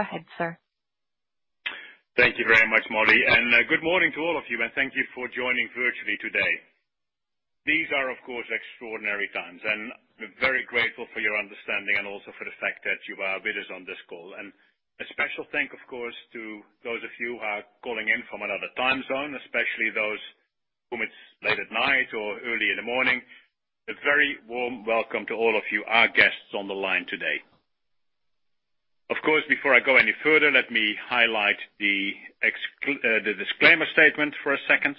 Go ahead, sir. Thank you very much, Molly. Good morning to all of you, and thank you for joining virtually today. These are, of course, extraordinary times, and we're very grateful for your understanding and also for the fact that you are with us on this call. A special thank, of course, to those of you who are calling in from another time zone, especially those whom it's late at night or early in the morning. A very warm welcome to all of you, our guests on the line today. Of course, before I go any further, let me highlight the disclaimer statement for a second.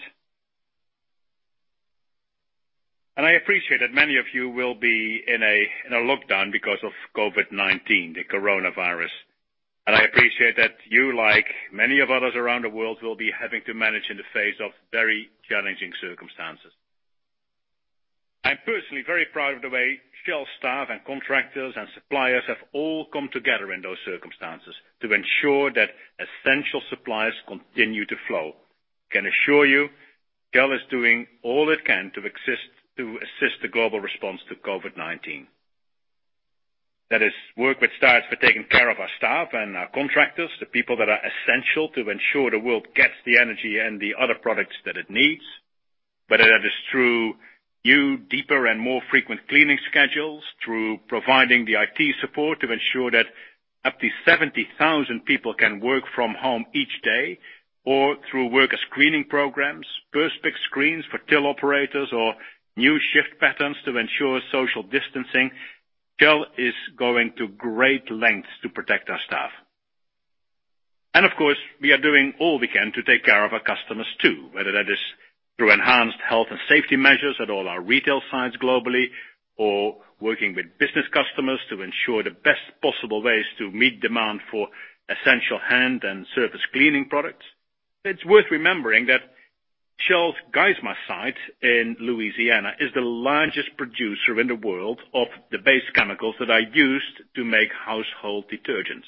I appreciate that many of you will be in a lockdown because of COVID-19, the coronavirus. I appreciate that you, like many of others around the world, will be having to manage in the face of very challenging circumstances. I'm personally very proud of the way Shell staff and contractors and suppliers have all come together in those circumstances to ensure that essential supplies continue to flow. I can assure you Shell is doing all it can to assist the global response to COVID-19. That is work that starts with taking care of our staff and our contractors, the people that are essential to ensure the world gets the energy and the other products that it needs. Whether that is through new, deeper, and more frequent cleaning schedules, through providing the IT support to ensure that up to 70,000 people can work from home each day, or through worker screening programs, Perspex screens for till operators, or new shift patterns to ensure social distancing. Shell is going to great lengths to protect our staff. Of course, we are doing all we can to take care of our customers too. Whether that is through enhanced health and safety measures at all our retail sites globally or working with business customers to ensure the best possible ways to meet demand for essential hand and surface cleaning products. It's worth remembering that Shell's Geismar site in Louisiana is the largest producer in the world of the base chemicals that are used to make household detergents.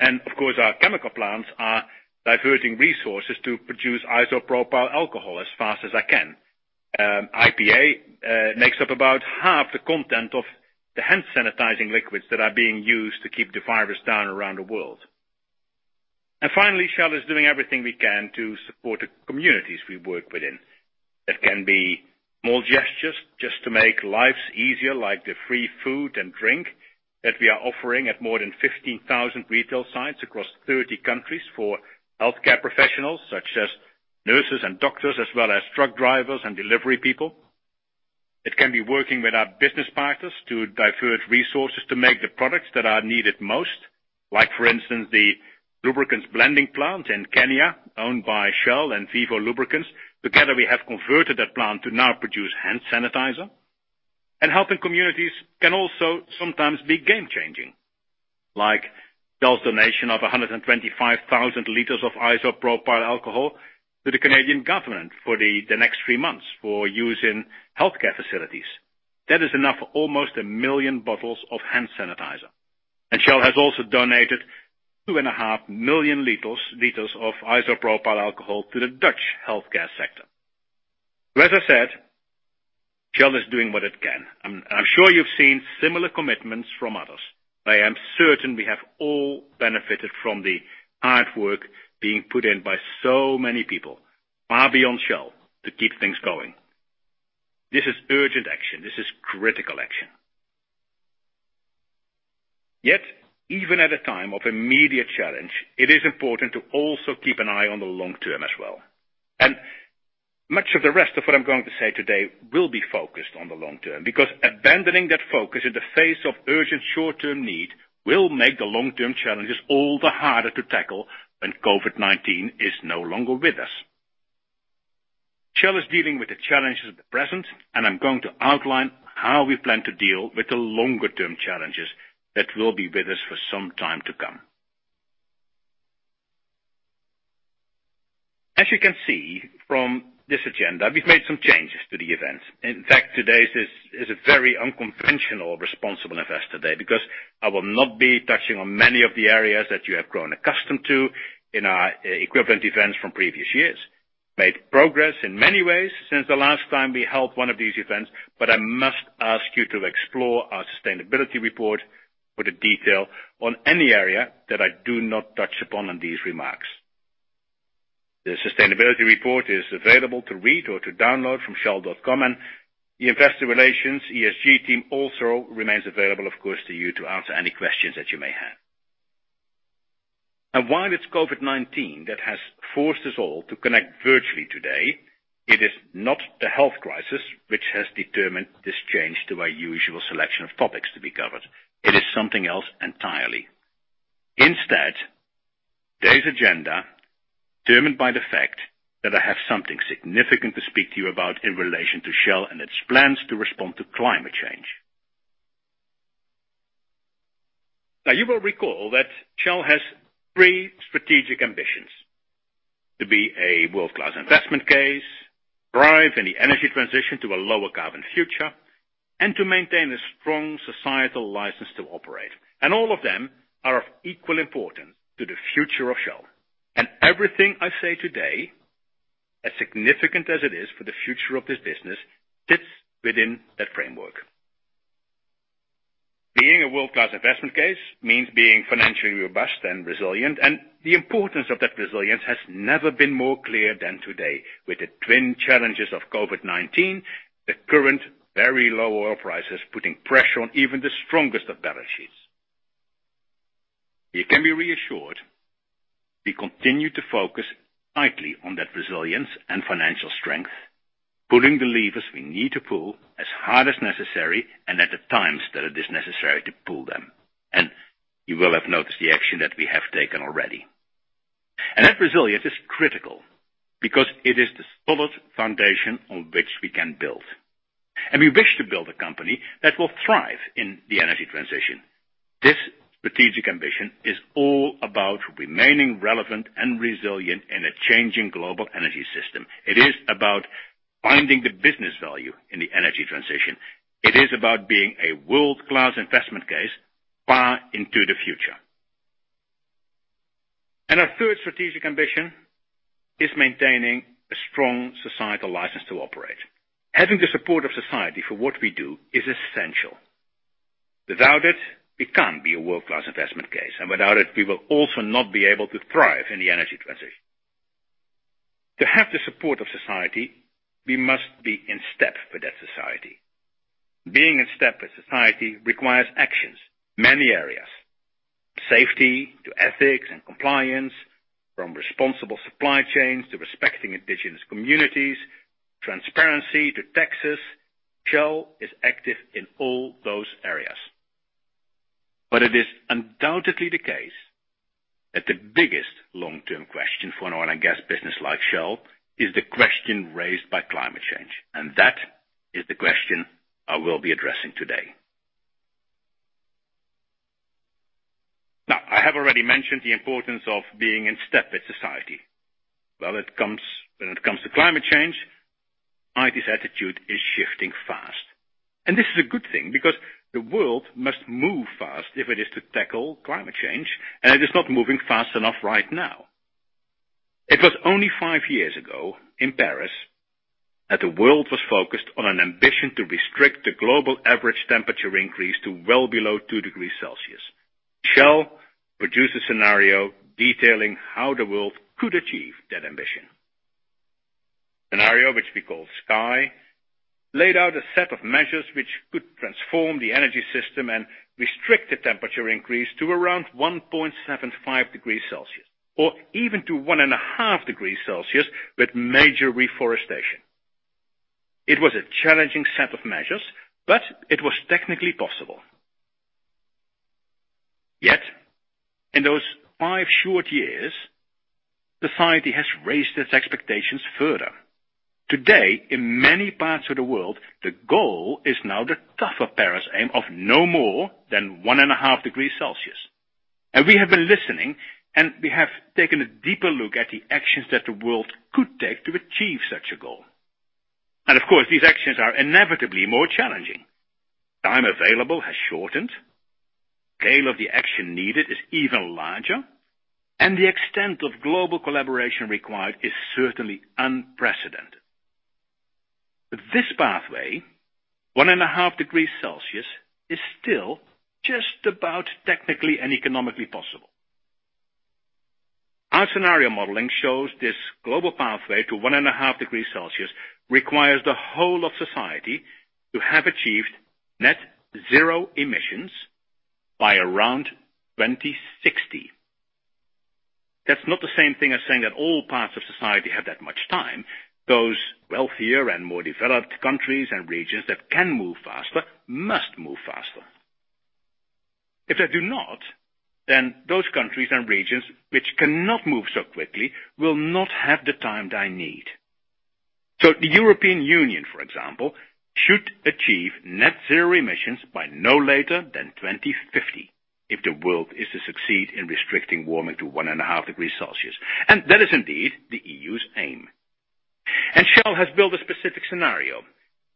Of course, our chemical plants are diverting resources to produce isopropyl alcohol as fast as they can. IPA makes up about half the content of the hand sanitizing liquids that are being used to keep the virus down around the world. Finally, Shell is doing everything we can to support the communities we work within. That can be small gestures just to make lives easier, like the free food and drink that we are offering at more than 15,000 retail sites across 30 countries for healthcare professionals, such as nurses and doctors, as well as truck drivers and delivery people. It can be working with our business partners to divert resources to make the products that are needed most, like for instance, the lubricants blending plant in Kenya, owned by Shell and Vivo Lubricants. Together, we have converted that plant to now produce hand sanitizer. Helping communities can also sometimes be game-changing, like Shell's donation of 125,000 liters of isopropyl alcohol to the Canadian government for the next three months for use in healthcare facilities. That is enough for almost 1 million bottles of hand sanitizer. Shell has also donated 2.5 million liters of isopropyl alcohol to the Dutch healthcare sector. As I said, Shell is doing what it can. I'm sure you've seen similar commitments from others. I am certain we have all benefited from the hard work being put in by so many people, far beyond Shell, to keep things going. This is urgent action. This is critical action. Even at a time of immediate challenge, it is important to also keep an eye on the long term as well. Much of the rest of what I'm going to say today will be focused on the long term, because abandoning that focus in the face of urgent short-term need will make the long-term challenges all the harder to tackle when COVID-19 is no longer with us. Shell is dealing with the challenges at present, and I'm going to outline how we plan to deal with the longer-term challenges that will be with us for some time to come. As you can see from this agenda, we've made some changes to the event. In fact, today is a very unconventional responsible investor day because I will not be touching on many of the areas that you have grown accustomed to in our equivalent events from previous years. We made progress in many ways since the last time we held one of these events, but I must ask you to explore our sustainability report for the detail on any area that I do not touch upon in these remarks. The sustainability report is available to read or to download from shell.com. The investor relations ESG team also remains available, of course, to you to answer any questions that you may have. While it's COVID-19 that has forced us all to connect virtually today, it is not the health crisis which has determined this change to our usual selection of topics to be covered. It is something else entirely. Instead, today's agenda, determined by the fact that I have something significant to speak to you about in relation to Shell and its plans to respond to climate change. Now, you will recall that Shell has three strategic ambitions: To be a world-class investment case, thrive in the energy transition to a lower carbon future, and to maintain a strong societal license to operate. All of them are of equal importance to the future of Shell. Everything I say today, as significant as it is for the future of this business, fits within that framework. Being a world-class investment case means being financially robust and resilient, and the importance of that resilience has never been more clear than today, with the twin challenges of COVID-19, the current very low oil prices putting pressure on even the strongest of balance sheets. You can be reassured we continue to focus tightly on that resilience and financial strength, pulling the levers we need to pull as hard as necessary and at the times that it is necessary to pull them. You will have noticed the action that we have taken already. That resilience is critical because it is the solid foundation on which we can build. We wish to build a company that will thrive in the energy transition. This strategic ambition is all about remaining relevant and resilient in a changing global energy system. It is about finding the business value in the energy transition. It is about being a world-class investment case far into the future. Our third strategic ambition is maintaining a strong societal license to operate. Having the support of society for what we do is essential. Without it, we can't be a world-class investment case. Without it, we will also not be able to thrive in the energy transition. To have the support of society, we must be in step with that society. Being in step with society requires actions, many areas. Safety to ethics and compliance, from responsible supply chains to respecting indigenous communities, transparency to taxes. Shell is active in all those areas. It is undoubtedly the case that the biggest long-term question for an oil and gas business like Shell is the question raised by climate change, and that is the question I will be addressing today. Now, I have already mentioned the importance of being in step with society. Well, when it comes to climate change, society's attitude is shifting fast. This is a good thing because the world must move fast if it is to tackle climate change, and it is not moving fast enough right now. It was only five years ago in Paris that the world was focused on an ambition to restrict the global average temperature increase to well below 2 degrees Celsius. Shell produced a scenario detailing how the world could achieve that ambition. The scenario, which we call Sky, laid out a set of measures which could transform the energy system and restrict the temperature increase to around 1.75 degrees Celsius or even to 1.5 degrees Celsius with major reforestation. It was a challenging set of measures, but it was technically possible. Yet, in those five short years, society has raised its expectations further. Today, in many parts of the world, the goal is now the tougher Paris aim of no more than 1.5 degrees Celsius. We have been listening, and we have taken a deeper look at the actions that the world could take to achieve such a goal. Of course, these actions are inevitably more challenging. Time available has shortened. Scale of the action needed is even larger, and the extent of global collaboration required is certainly unprecedented. This pathway, 1.5 degrees Celsius, is still just about technically and economically possible. Our scenario modeling shows this global pathway to 1.5 degrees Celsius requires the whole of society to have achieved net-zero emissions by around 2060. That's not the same thing as saying that all parts of society have that much time. Those wealthier and more developed countries and regions that can move faster must move faster. If they do not, then those countries and regions which cannot move so quickly will not have the time they need. The European Union, for example, should achieve net-zero emissions by no later than 2050 if the world is to succeed in restricting warming to 1.5 degrees Celsius. That is indeed the EU's aim. Shell has built a specific scenario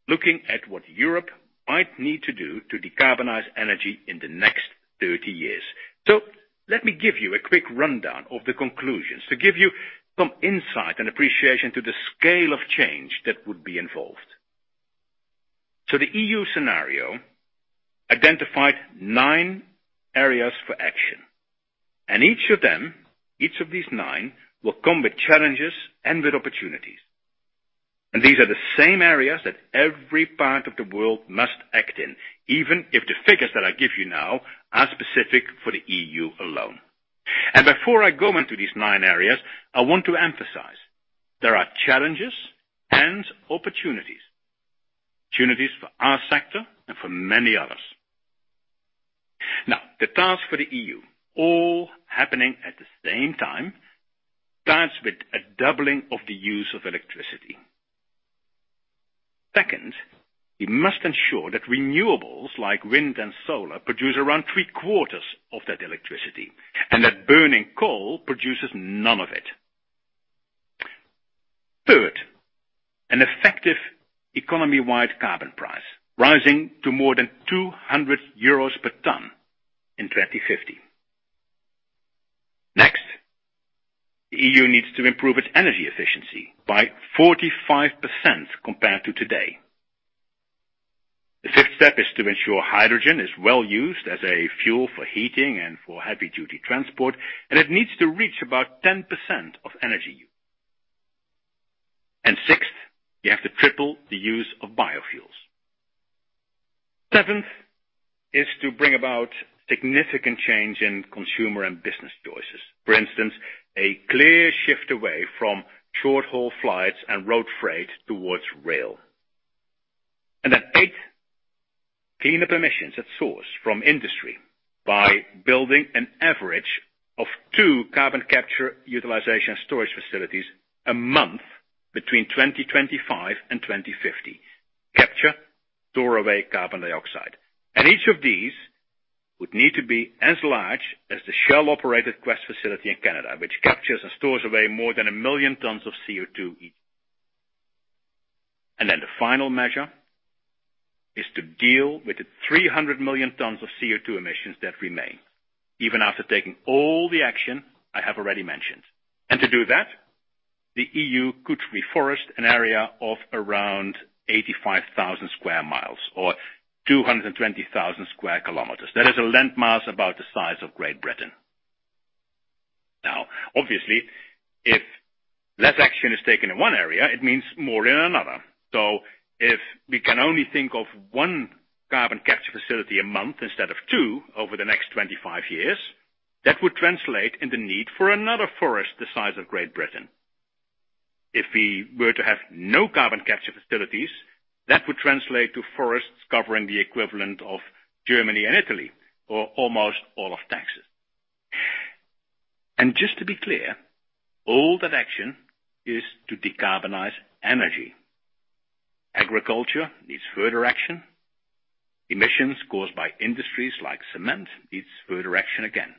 looking at what Europe might need to do to decarbonize energy in the next 30 years. Let me give you a quick rundown of the conclusions to give you some insight and appreciation to the scale of change that would be involved. The EU scenario identified nine areas for action, and each of them, each of these nine, will come with challenges and with opportunities. These are the same areas that every part of the world must act in, even if the figures that I give you now are specific for the EU alone. Before I go into these nine areas, I want to emphasize there are challenges and opportunities. Opportunities for our sector and for many others. The task for the EU, all happening at the same time, starts with a doubling of the use of electricity. Second, we must ensure that renewables like wind and solar produce around three-quarters of that electricity and that burning coal produces none of it. Third, an effective economy-wide carbon price rising to more than 200 euros per ton in 2050. The EU needs to improve its energy efficiency by 45% compared to today. The fifth step is to ensure hydrogen is well used as a fuel for heating and for heavy-duty transport, and it needs to reach about 10% of energy use. Sixth, we have to triple the use of biofuels. Seventh is to bring about significant change in consumer and business choices. For instance, a clear shift away from short-haul flights and road freight towards rail. Eight, clean up emissions at source from industry by building an average of two Carbon Capture, Utilization, and Storage facilities a month between 2025 and 2050. Capture, store away carbon dioxide. Each of these would need to be as large as the Shell-operated Quest facility in Canada, which captures and stores away more than 1 million tons of CO₂ each. The final measure is to deal with the 300 million tons of CO₂ emissions that remain even after taking all the action I have already mentioned. To do that, the EU could reforest an area of around 85,000 sq mi or 220,000 sq km. That is a landmass about the size of Great Britain. Obviously, if less action is taken in one area, it means more in another. If we can only think of one carbon capture facility a month instead of two over the next 25 years, that would translate into need for another forest the size of Great Britain. If we were to have no carbon capture facilities, that would translate to forests covering the equivalent of Germany and Italy, or almost all of Texas. Just to be clear, all that action is to decarbonize energy. Agriculture needs further action. Emissions caused by industries like cement needs further action again.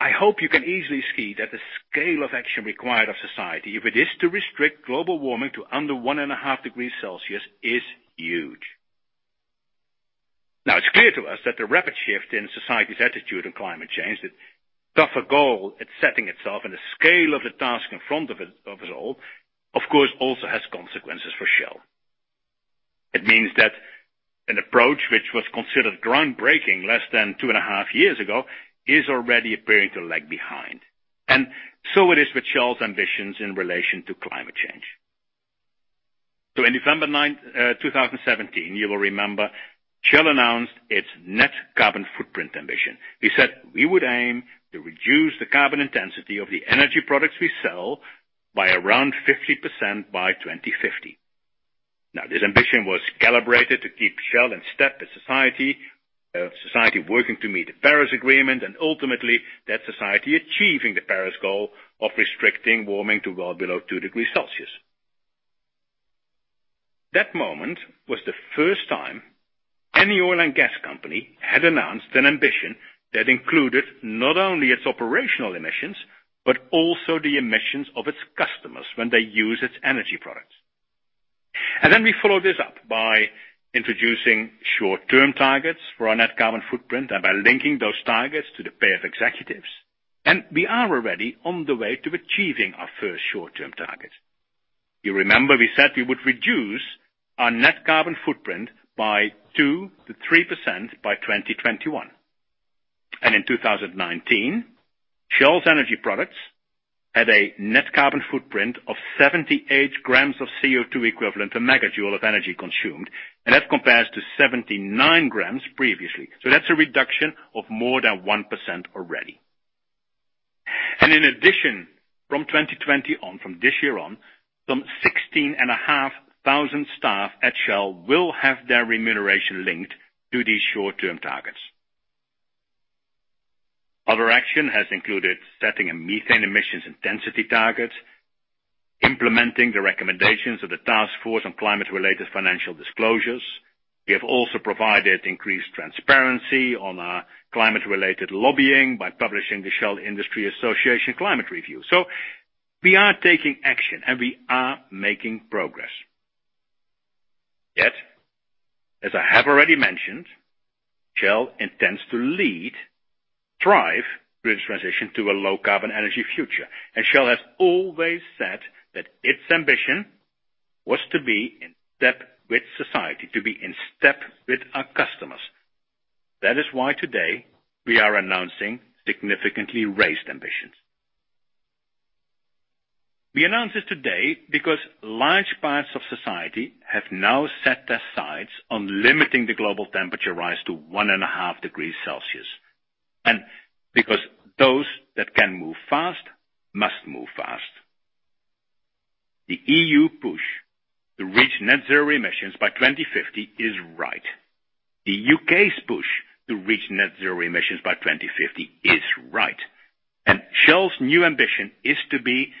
I hope you can easily see that the scale of action required of society if it is to restrict global warming to under one and a half degrees Celsius is huge. It's clear to us that the rapid shift in society's attitude on climate change, the tougher goal it's setting itself, and the scale of the task in front of us all, of course, also has consequences for Shell. It means that an approach which was considered groundbreaking less than two and a half years ago is already appearing to lag behind. It is with Shell's ambitions in relation to climate change. In December 9th, 2017, you will remember, Shell announced its net carbon footprint ambition. We said we would aim to reduce the carbon intensity of the energy products we sell by around 50% by 2050. This ambition was calibrated to keep Shell in step with society working to meet the Paris Agreement, and ultimately that society achieving the Paris goal of restricting warming to well below 2 degrees Celsius. That moment was the first time any oil and gas company had announced an ambition that included not only its operational emissions, but also the emissions of its customers when they use its energy products. We followed this up by introducing short-term targets for our net carbon footprint and by linking those targets to the pay of executives. We are already on the way to achieving our first short-term target. You remember we said we would reduce our net carbon footprint by 2%-3% by 2021. In 2019, Shell's energy products had a net carbon footprint of 78 g of CO₂ equivalent to megajoule of energy consumed, and that compares to 79 g previously. That's a reduction of more than 1% already. In addition, from 2020 on, from this year on, some 16,500 staff at Shell will have their remuneration linked to these short-term targets. Other action has included setting a methane emissions intensity target, implementing the recommendations of the Task Force on Climate-related Financial Disclosures. We have also provided increased transparency on our climate-related lobbying by publishing the Shell Industry Association Climate Review. We are taking action, and we are making progress. Yet, as I have already mentioned, Shell intends to lead thrive through this transition to a low-carbon energy future. Shell has always said that its ambition was to be in step with society, to be in step with our customers. That is why today we are announcing significantly raised ambitions. We announce this today because large parts of society have now set their sights on limiting the global temperature rise to 1.5 degrees Celsius. Because those that can move fast must move fast. The EU push to reach net-zero emissions by 2050 is right. The U.K.'s push to reach net-zero emissions by 2050 is right. Shell's new ambition is to be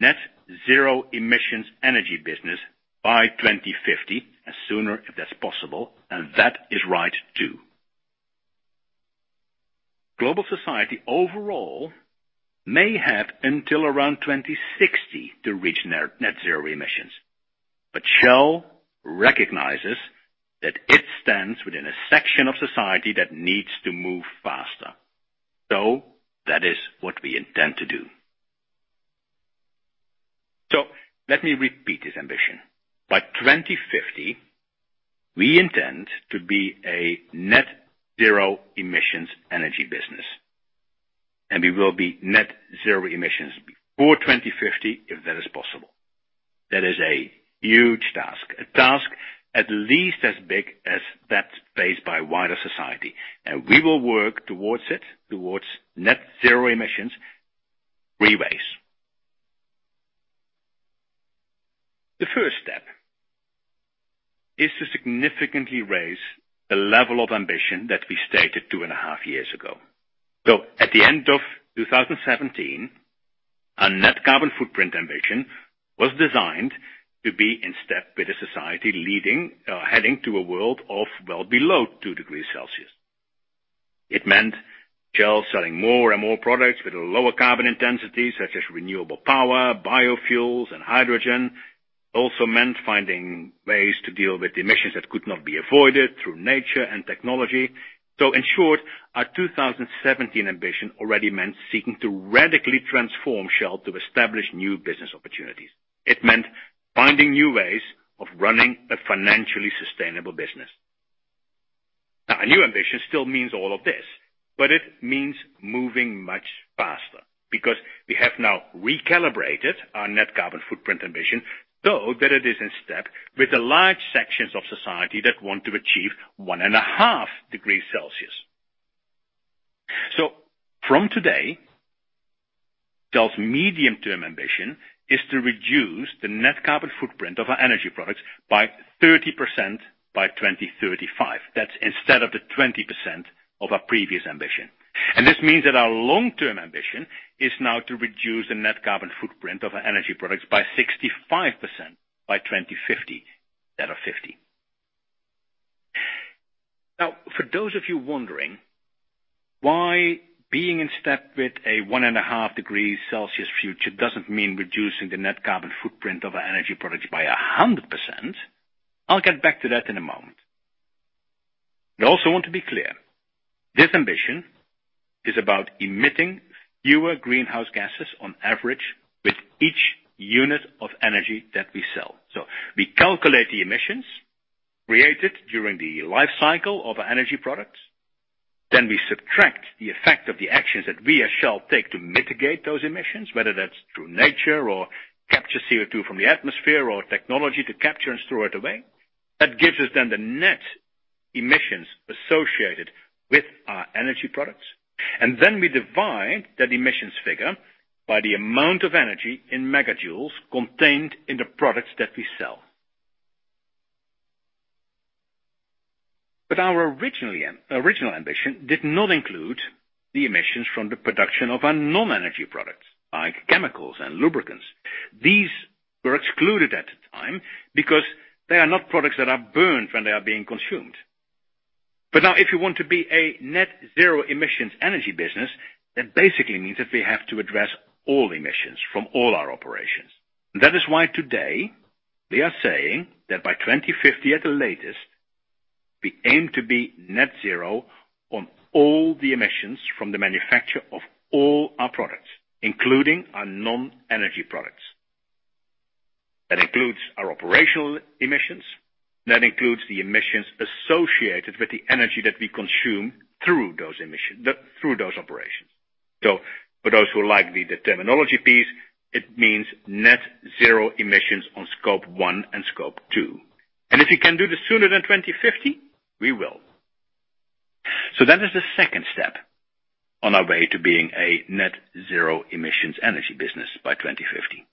net-zero emissions energy business by 2050, as sooner if that's possible. That is right too. Global society overall may have until around 2060 to reach net-zero emissions. Shell recognizes that it stands within a section of society that needs to move faster. That is what we intend to do. Let me repeat this ambition. By 2050, we intend to be a net-zero emissions energy business, and we will be net-zero emissions before 2050 if that is possible. That is a huge task, a task at least as big as that faced by wider society, and we will work towards it, towards net-zero emissions three ways. The first step is to significantly raise the level of ambition that we stated two and a half years ago. At the end of 2017, our net carbon footprint ambition was designed to be in step with the society leading or heading to a world of well below 2 degrees Celsius. It meant Shell selling more and more products with a lower carbon intensity, such as renewable power, biofuels, and hydrogen. It also meant finding ways to deal with emissions that could not be avoided through nature and technology. In short, our 2017 ambition already meant seeking to radically transform Shell to establish new business opportunities. It meant finding new ways of running a financially sustainable business. Now, a new ambition still means all of this, but it means moving much faster because we have now recalibrated our net carbon footprint ambition so that it is in step with the large sections of society that want to achieve 1.5 degrees Celsius. From today, Shell's medium-term ambition is to reduce the net carbon footprint of our energy products by 30% by 2035. That's instead of the 20% of our previous ambition. This means that our long-term ambition is now to reduce the net carbon footprint of our energy products by 65% by 2050. For those of you wondering why being in step with a 1.5 degrees Celsius future doesn't mean reducing the net carbon footprint of our energy products by 100%, I'll get back to that in a moment. We also want to be clear. This ambition is about emitting fewer greenhouse gases on average with each unit of energy that we sell. We calculate the emissions created during the life cycle of our energy products. We subtract the effect of the actions that we as Shell take to mitigate those emissions, whether that's through nature or capture CO₂ from the atmosphere or technology to capture and store it away. That gives us then the net emissions associated with our energy products. We divide that emissions figure by the amount of energy in megajoules contained in the products that we sell. Our original ambition did not include the emissions from the production of our non-energy products like chemicals and lubricants. These were excluded at the time because they are not products that are burned when they are being consumed. Now, if you want to be a net-zero emissions energy business, that basically means that we have to address all emissions from all our operations. That is why today we are saying that by 2050 at the latest, we aim to be net-zero on all the emissions from the manufacture of all our products, including our non-energy products. That includes our operational emissions. That includes the emissions associated with the energy that we consume through those operations. For those who like the terminology piece, it means net-zero emissions on Scope 1 and Scope 2. If we can do this sooner than 2050, we will. That is the second step on our way to being a net-zero emissions energy business by 2050.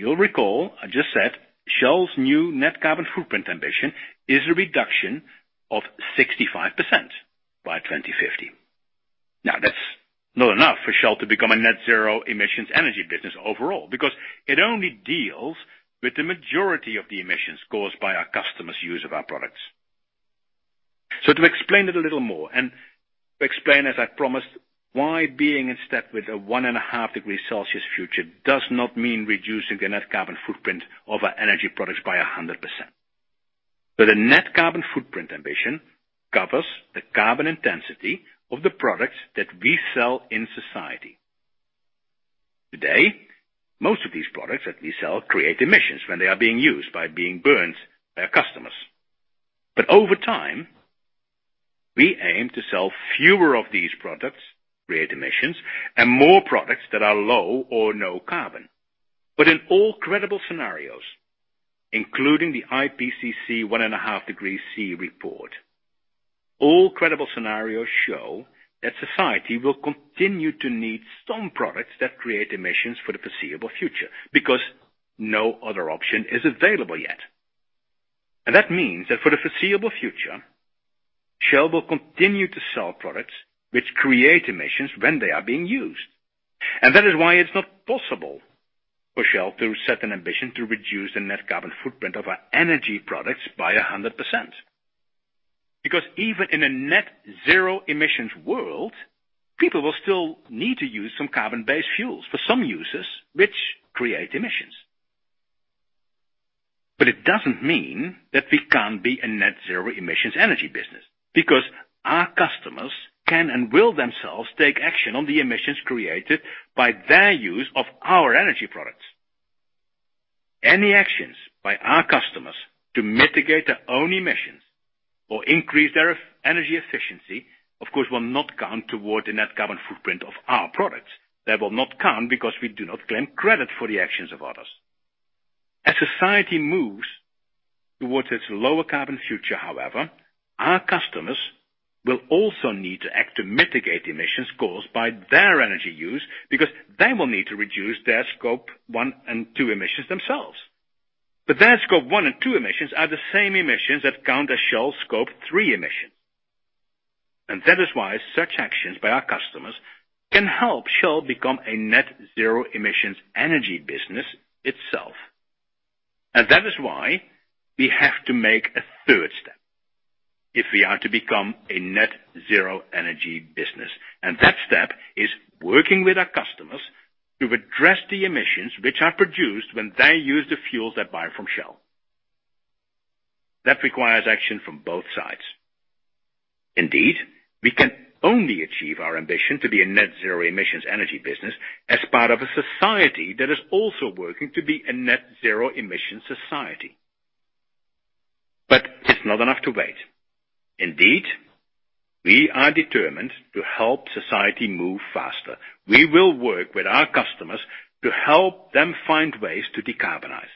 You'll recall, I just said Shell's new net carbon footprint ambition is a reduction of 65% by 2050. Now, that's not enough for Shell to become a net-zero emissions energy business overall because it only deals with the majority of the emissions caused by our customers' use of our products. To explain it a little more and explain, as I promised, why being in step with a 1.5 degree Celsius future does not mean reducing the net carbon footprint of our energy products by 100%. The net carbon footprint ambition covers the carbon intensity of the products that we sell in society. Today, most of these products that we sell create emissions when they are being used by being burned by our customers. Over time, we aim to sell fewer of these products, create emissions, and more products that are low or no carbon. In all credible scenarios, including the IPCC 1.5 degree C report, all credible scenarios show that society will continue to need some products that create emissions for the foreseeable future because no other option is available yet. That means that for the foreseeable future, Shell will continue to sell products which create emissions when they are being used. That is why it's not possible for Shell to set an ambition to reduce the net carbon footprint of our energy products by 100%. Even in a net-zero emissions world, people will still need to use some carbon-based fuels for some uses, which create emissions. It doesn't mean that we can't be a net-zero emissions energy business, because our customers can and will themselves take action on the emissions created by their use of our energy products. Any actions by our customers to mitigate their own emissions or increase their energy efficiency, of course, will not count toward the net carbon footprint of our products. They will not count because we do not claim credit for the actions of others. As society moves towards its lower carbon future, however, our customers will also need to act to mitigate the emissions caused by their energy use because they will need to reduce their Scope 1 and 2 emissions themselves. Their Scope 1 and 2 emissions are the same emissions that count as Shell Scope 3 emissions. That is why such actions by our customers can help Shell become a net-zero emissions energy business itself. That is why we have to make a third step if we are to become a net-zero energy business. That step is working with our customers to address the emissions which are produced when they use the fuels they buy from Shell. That requires action from both sides. Indeed, we can only achieve our ambition to be a net-zero emissions energy business as part of a society that is also working to be a net-zero emission society. It's not enough to wait. Indeed, we are determined to help society move faster. We will work with our customers to help them find ways to decarbonize.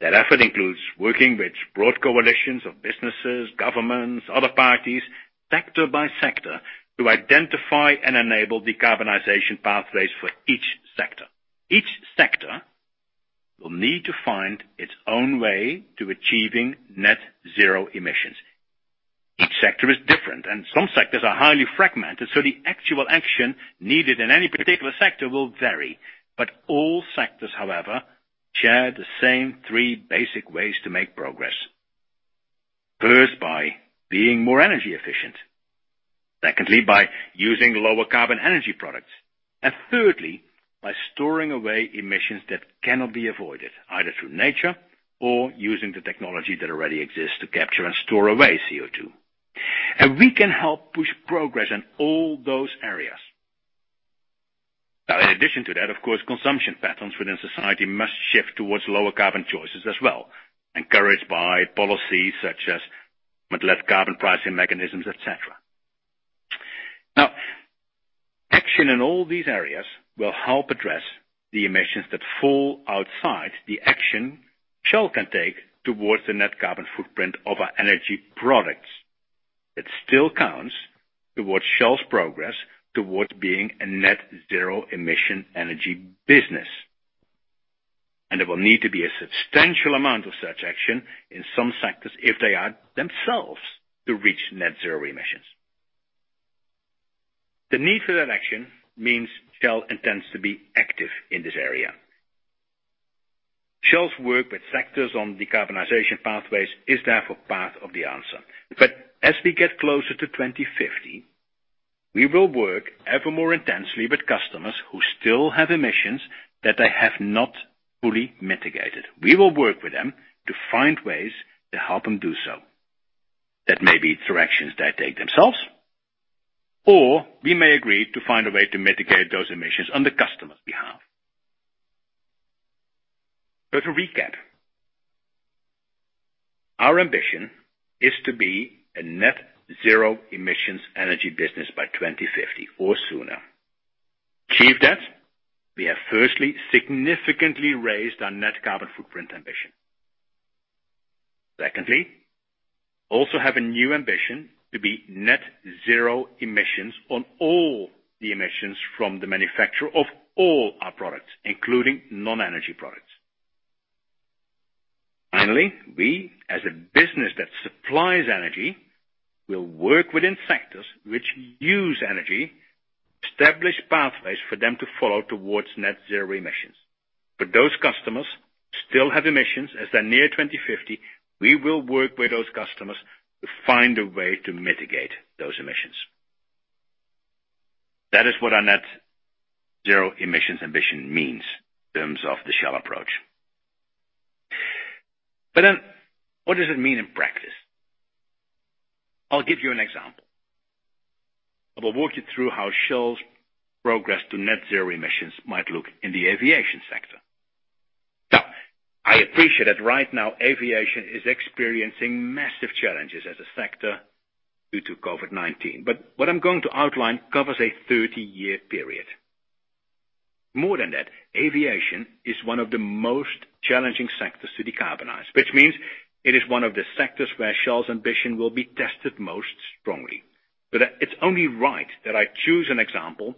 That effort includes working with broad coalitions of businesses, governments, other parties, sector by sector, to identify and enable decarbonization pathways for each sector. Each sector will need to find its own way to achieving net-zero emissions. Each sector is different, and some sectors are highly fragmented, so the actual action needed in any particular sector will vary. All sectors, however, share the same three basic ways to make progress. First, by being more energy efficient. Secondly, by using lower carbon energy products. Thirdly, by storing away emissions that cannot be avoided, either through nature or using the technology that already exists to capture and store away CO₂. We can help push progress in all those areas. In addition to that, of course, consumption patterns within society must shift towards lower carbon choices as well, encouraged by policies such as, but less carbon pricing mechanisms, et cetera. Action in all these areas will help address the emissions that fall outside the action Shell can take towards the net carbon footprint of our energy products. It still counts towards Shell's progress towards being a net-zero emission energy business. There will need to be a substantial amount of such action in some sectors if they are themselves to reach net-zero emissions. The need for that action means Shell intends to be active in this area. Shell's work with sectors on decarbonization pathways is therefore part of the answer. As we get closer to 2050, we will work ever more intensely with customers who still have emissions that they have not fully mitigated. We will work with them to find ways to help them do so. That may be through actions they take themselves, or we may agree to find a way to mitigate those emissions on the customer's behalf. To recap, our ambition is to be a net-zero emissions energy business by 2050 or sooner. To achieve that, we have firstly significantly raised our net carbon footprint ambition. Secondly, also have a new ambition to be net-zero emissions on all the emissions from the manufacturer of all our products, including non-energy products. Finally, we, as a business that supplies energy, will work within sectors which use energy to establish pathways for them to follow towards net-zero emissions. Those customers still have emissions as they're near 2050. We will work with those customers to find a way to mitigate those emissions. That is what our net-zero emissions ambition means in terms of the Shell approach. What does it mean in practice? I'll give you an example. I will walk you through how Shell's progress to net-zero emissions might look in the aviation sector. Now, I appreciate that right now, aviation is experiencing massive challenges as a sector due to COVID-19. What I'm going to outline covers a 30-year period. More than that, aviation is one of the most challenging sectors to decarbonize, which means it is one of the sectors where Shell's ambition will be tested most strongly. It's only right that I choose an example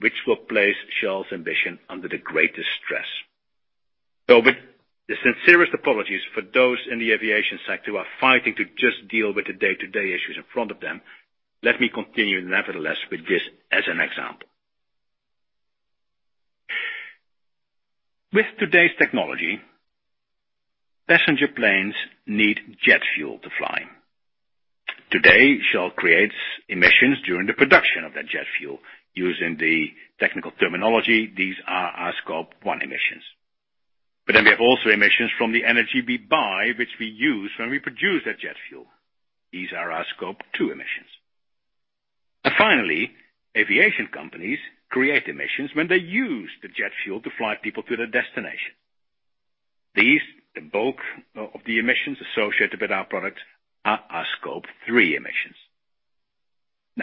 which will place Shell's ambition under the greatest stress. With the sincerest apologies for those in the aviation sector who are fighting to just deal with the day-to-day issues in front of them, let me continue nevertheless with this as an example. With today's technology, passenger planes need jet fuel to fly. Today, Shell creates emissions during the production of that jet fuel. Using the technical terminology, these are our Scope 1 emissions. We have also emissions from the energy we buy, which we use when we produce that jet fuel. These are our Scope 2 emissions. Finally, aviation companies create emissions when they use the jet fuel to fly people to their destination. These, the bulk of the emissions associated with our products, are our Scope 3 emissions.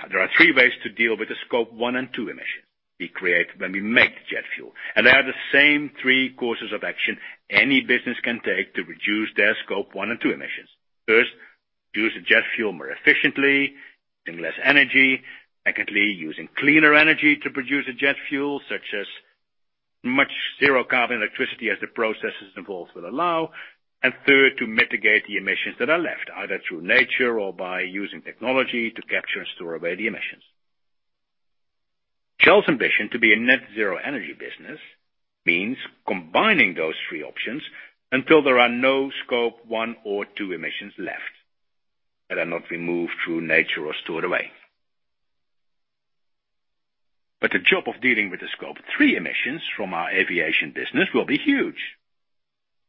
There are three ways to deal with the Scope 1 and 2 emissions we create when we make jet fuel. They are the same three courses of action any business can take to reduce their Scope 1 and 2 emissions. First, use the jet fuel more efficiently, using less energy. Secondly, using cleaner energy to produce a jet fuel, such as much zero carbon electricity as the processes involved will allow. Third, to mitigate the emissions that are left, either through nature or by using technology to capture and store away the emissions. Shell's ambition to be a net-zero energy business means combining those three options until there are no Scope 1 or 2 emissions left that are not removed through nature or stored away. The job of dealing with the Scope 3 emissions from our aviation business will be huge.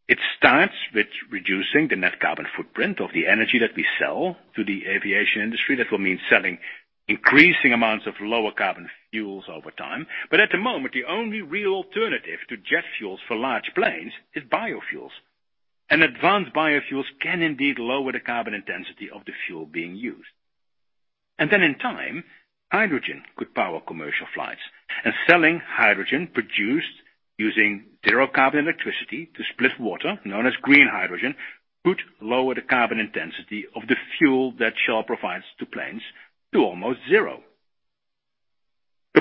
It starts with reducing the net carbon footprint of the energy that we sell to the aviation industry. That will mean selling increasing amounts of lower carbon fuels over time. At the moment, the only real alternative to jet fuels for large planes is biofuels. Advanced biofuels can indeed lower the carbon intensity of the fuel being used. In time, hydrogen could power commercial flights. Selling hydrogen produced using zero carbon electricity to split water, known as green hydrogen, could lower the carbon intensity of the fuel that Shell provides to planes to almost zero.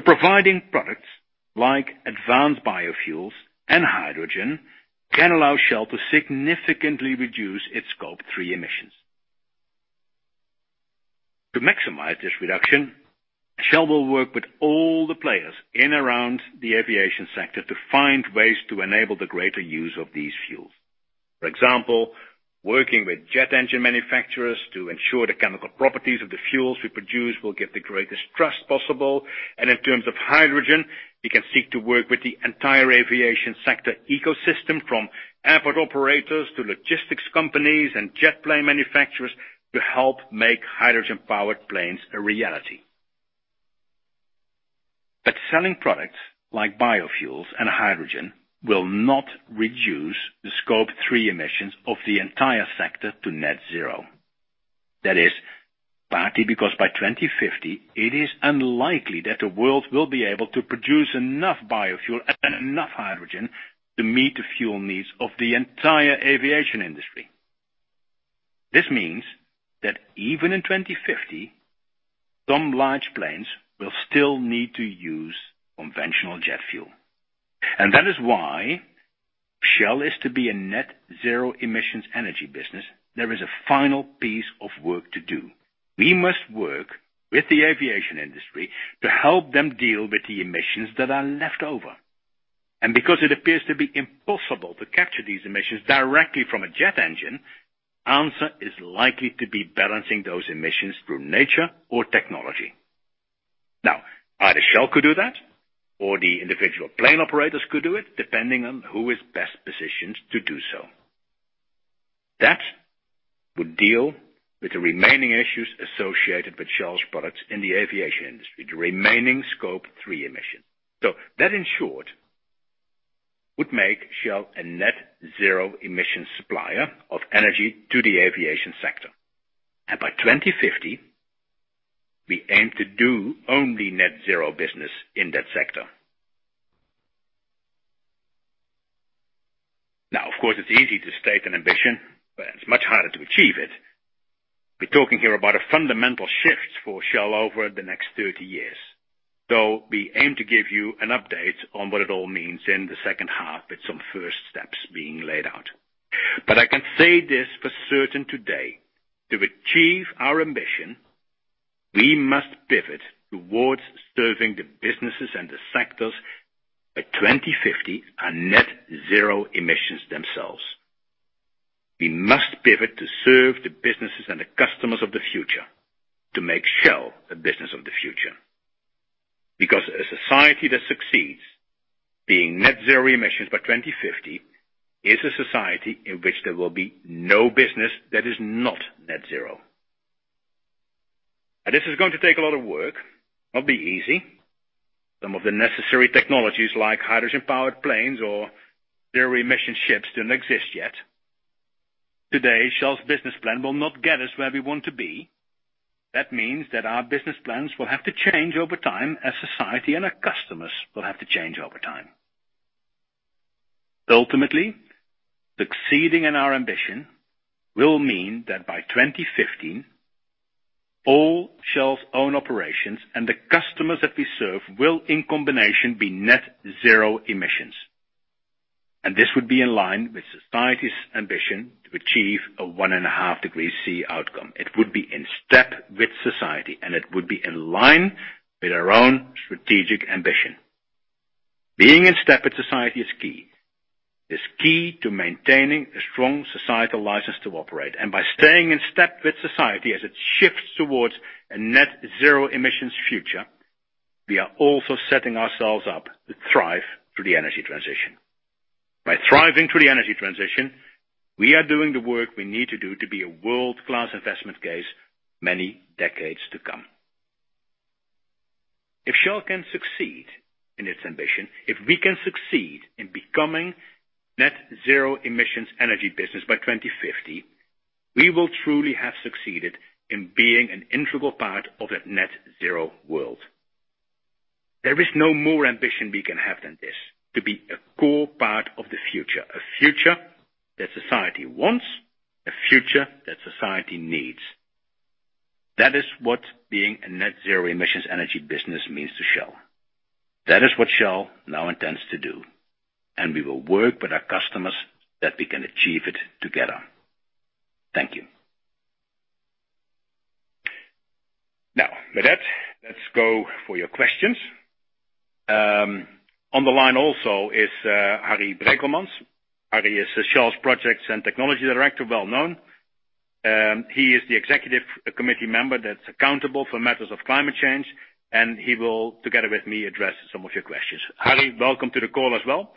Providing products like advanced biofuels and hydrogen can allow Shell to significantly reduce its Scope 3 emissions. To maximize this reduction, Shell will work with all the players in and around the aviation sector to find ways to enable the greater use of these fuels. For example, working with jet engine manufacturers to ensure the chemical properties of the fuels we produce will get the greatest thrust possible. In terms of hydrogen, we can seek to work with the entire aviation sector ecosystem, from airport operators to logistics companies and jet plane manufacturers, to help make hydrogen-powered planes a reality. Selling products like biofuels and hydrogen will not reduce the Scope 3 emissions of the entire sector to net-zero. That is partly because by 2050, it is unlikely that the world will be able to produce enough biofuel and enough hydrogen to meet the fuel needs of the entire aviation industry. This means that even in 2050, some large planes will still need to use conventional jet fuel. That is why Shell is to be a net-zero emissions energy business. There is a final piece of work to do. We must work with the aviation industry to help them deal with the emissions that are left over. Because it appears to be impossible to capture these emissions directly from a jet engine, answer is likely to be balancing those emissions through nature or technology. Now, either Shell could do that or the individual plane operators could do it, depending on who is best positioned to do so. That would deal with the remaining issues associated with Shell's products in the aviation industry, the remaining Scope 3 emissions. That, in short, would make Shell a net-zero emission supplier of energy to the aviation sector. By 2050, we aim to do only net-zero business in that sector. Now, of course, it's easy to state an ambition, but it's much harder to achieve it. We're talking here about a fundamental shift for Shell over the next 30 years. We aim to give you an update on what it all means in the second half with some first steps being laid out. I can say this for certain today, to achieve our ambition, we must pivot towards serving the businesses and the sectors by 2050 are net-zero emissions themselves. We must pivot to serve the businesses and the customers of the future to make Shell a business of the future. A society that succeeds being net-zero emissions by 2050 is a society in which there will be no business that is not net-zero. This is going to take a lot of work. It won't be easy. Some of the necessary technologies like hydrogen-powered planes or zero-emission ships don't exist yet. Today, Shell's business plan will not get us where we want to be. That means that our business plans will have to change over time as society and our customers will have to change over time. Ultimately, succeeding in our ambition will mean that by 2050, all Shell's own operations and the customers that we serve will in combination be net-zero emissions. This would be in line with society's ambition to achieve a 1.5 degree C outcome. It would be in step with society, and it would be in line with our own strategic ambition. Being in step with society is key. It's key to maintaining a strong societal license to operate. By staying in step with society as it shifts towards a net-zero emissions future, we are also setting ourselves up to thrive through the energy transition. By thriving through the energy transition, we are doing the work we need to do to be a world-class investment case many decades to come. If Shell can succeed in its ambition, if we can succeed in becoming net-zero emissions energy business by 2050, we will truly have succeeded in being an integral part of that net-zero world. There is no more ambition we can have than this, to be a core part of the future. A future that society wants, a future that society needs. That is what being a net-zero emissions energy business means to Shell. That is what Shell now intends to do, and we will work with our customers that we can achieve it together. Thank you. Now, with that, let's go for your questions. On the line also is Harry Brekelmans. Harry is Shell's Projects and Technology Director, well known. He is the Executive Committee member that's accountable for matters of climate change, and he will, together with me, address some of your questions. Harry, welcome to the call as well.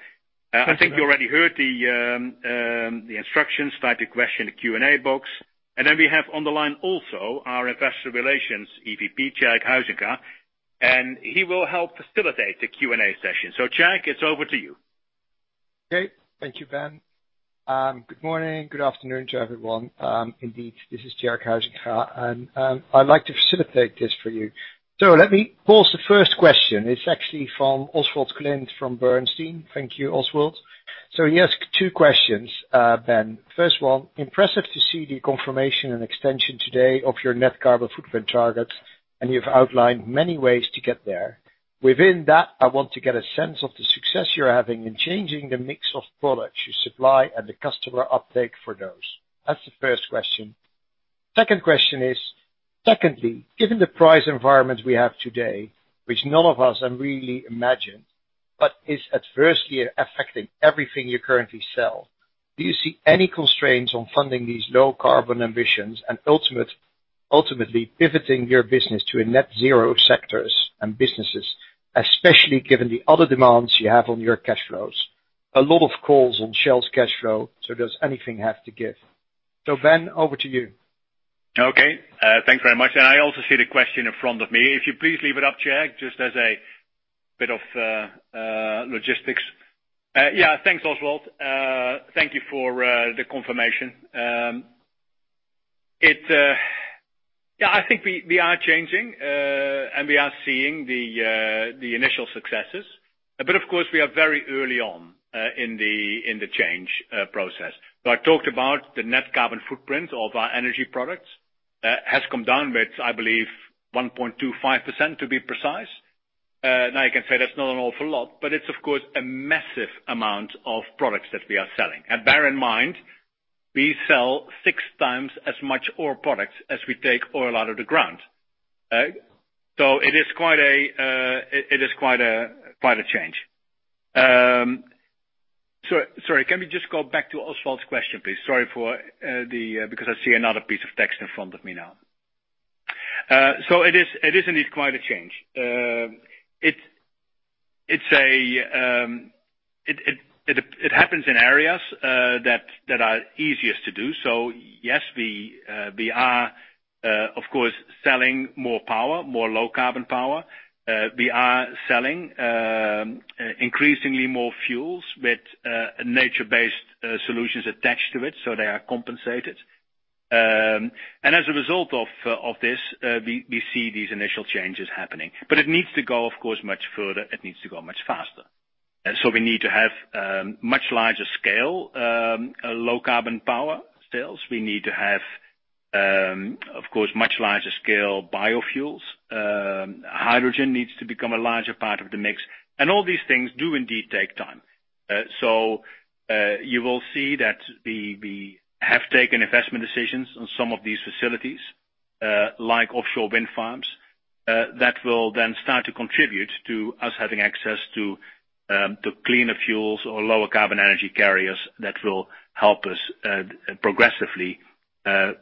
Thank you. I think you already heard the instructions. Type your question in the Q&A box. We have on the line also our Investor Relations, EVP, Tjerk Huysinga, and he will help facilitate the Q&A session. Tjerk, it's over to you. Okay. Thank you, Ben. Good morning. Good afternoon to everyone. Indeed, this is Tjerk Huysinga. I'd like to facilitate this for you. Let me pose the first question. It's actually from Oswald Clint from Bernstein. Thank you, Oswald. He asked two questions, Ben. First of all, impressive to see the confirmation and extension today of your net carbon footprint target, and you've outlined many ways to get there. Within that, I want to get a sense of the success you're having in changing the mix of products you supply and the customer uptake for those. That's the first question. Second question is, given the price environment we have today, which none of us had really imagined, but is adversely affecting everything you currently sell, do you see any constraints on funding these low carbon ambitions and ultimately pivoting your business to a net-zero sectors and businesses, especially given the other demands you have on your cash flows? A lot of calls on Shell's cash flow, does anything have to give? Ben, over to you. Okay, thanks very much. I also see the question in front of me. If you please leave it up, Tjerk, just as a bit of logistics. Yeah, thanks, Oswald. Thank you for the confirmation. I think we are changing, and we are seeing the initial successes. Of course, we are very early on in the change process. I talked about the net carbon footprint of our energy products. Has come down with, I believe, 1.25% to be precise. Now you can say that's not an awful lot, but it's of course a massive amount of products that we are selling. Bear in mind, we sell six times as much oil products as we take oil out of the ground. It is quite a change. Sorry, can we just go back to Oswald's question, please? Sorry for the Because I see another piece of text in front of me now. It is indeed quite a change. It happens in areas that are easiest to do. Yes, we are, of course, selling more power, more low-carbon power. We are selling increasingly more fuels with nature-based solutions attached to it, so they are compensated. As a result of this, we see these initial changes happening. It needs to go, of course, much further. It needs to go much faster. We need to have much larger scale, low-carbon power sales. We need to have, of course, much larger scale biofuels. Hydrogen needs to become a larger part of the mix. All these things do indeed take time. You will see that we have taken investment decisions on some of these facilities, like offshore wind farms, that will then start to contribute to us having access to cleaner fuels or lower carbon energy carriers that will help us progressively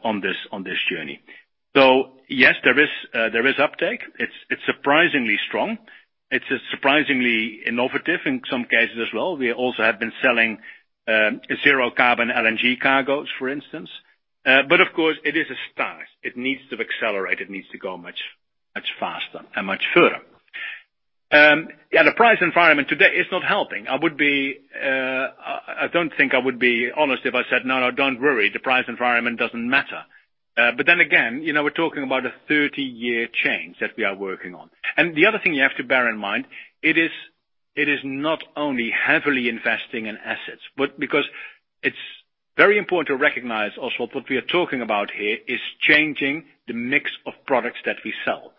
on this journey. Yes, there is uptake. It is surprisingly strong. It is surprisingly innovative in some cases as well. We also have been selling zero carbon LNG cargos, for instance. Of course, it is a start. It needs to accelerate. It needs to go much, much faster and much further. Yeah, the price environment today is not helping. I don't think I would be honest if I said, no, don't worry, the price environment doesn't matter. Then again, we are talking about a 30-year change that we are working on. The other thing you have to bear in mind, it is not only heavily investing in assets, but because it's very important to recognize also what we are talking about here is changing the mix of products that we sell.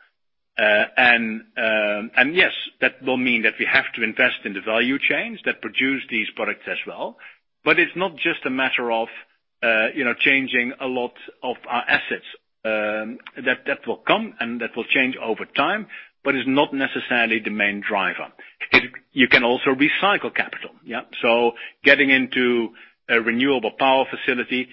Yes, that will mean that we have to invest in the value chains that produce these products as well. It's not just a matter of changing a lot of our assets. That will come and that will change over time, but it's not necessarily the main driver. You can also recycle capital. Getting into a renewable power facility,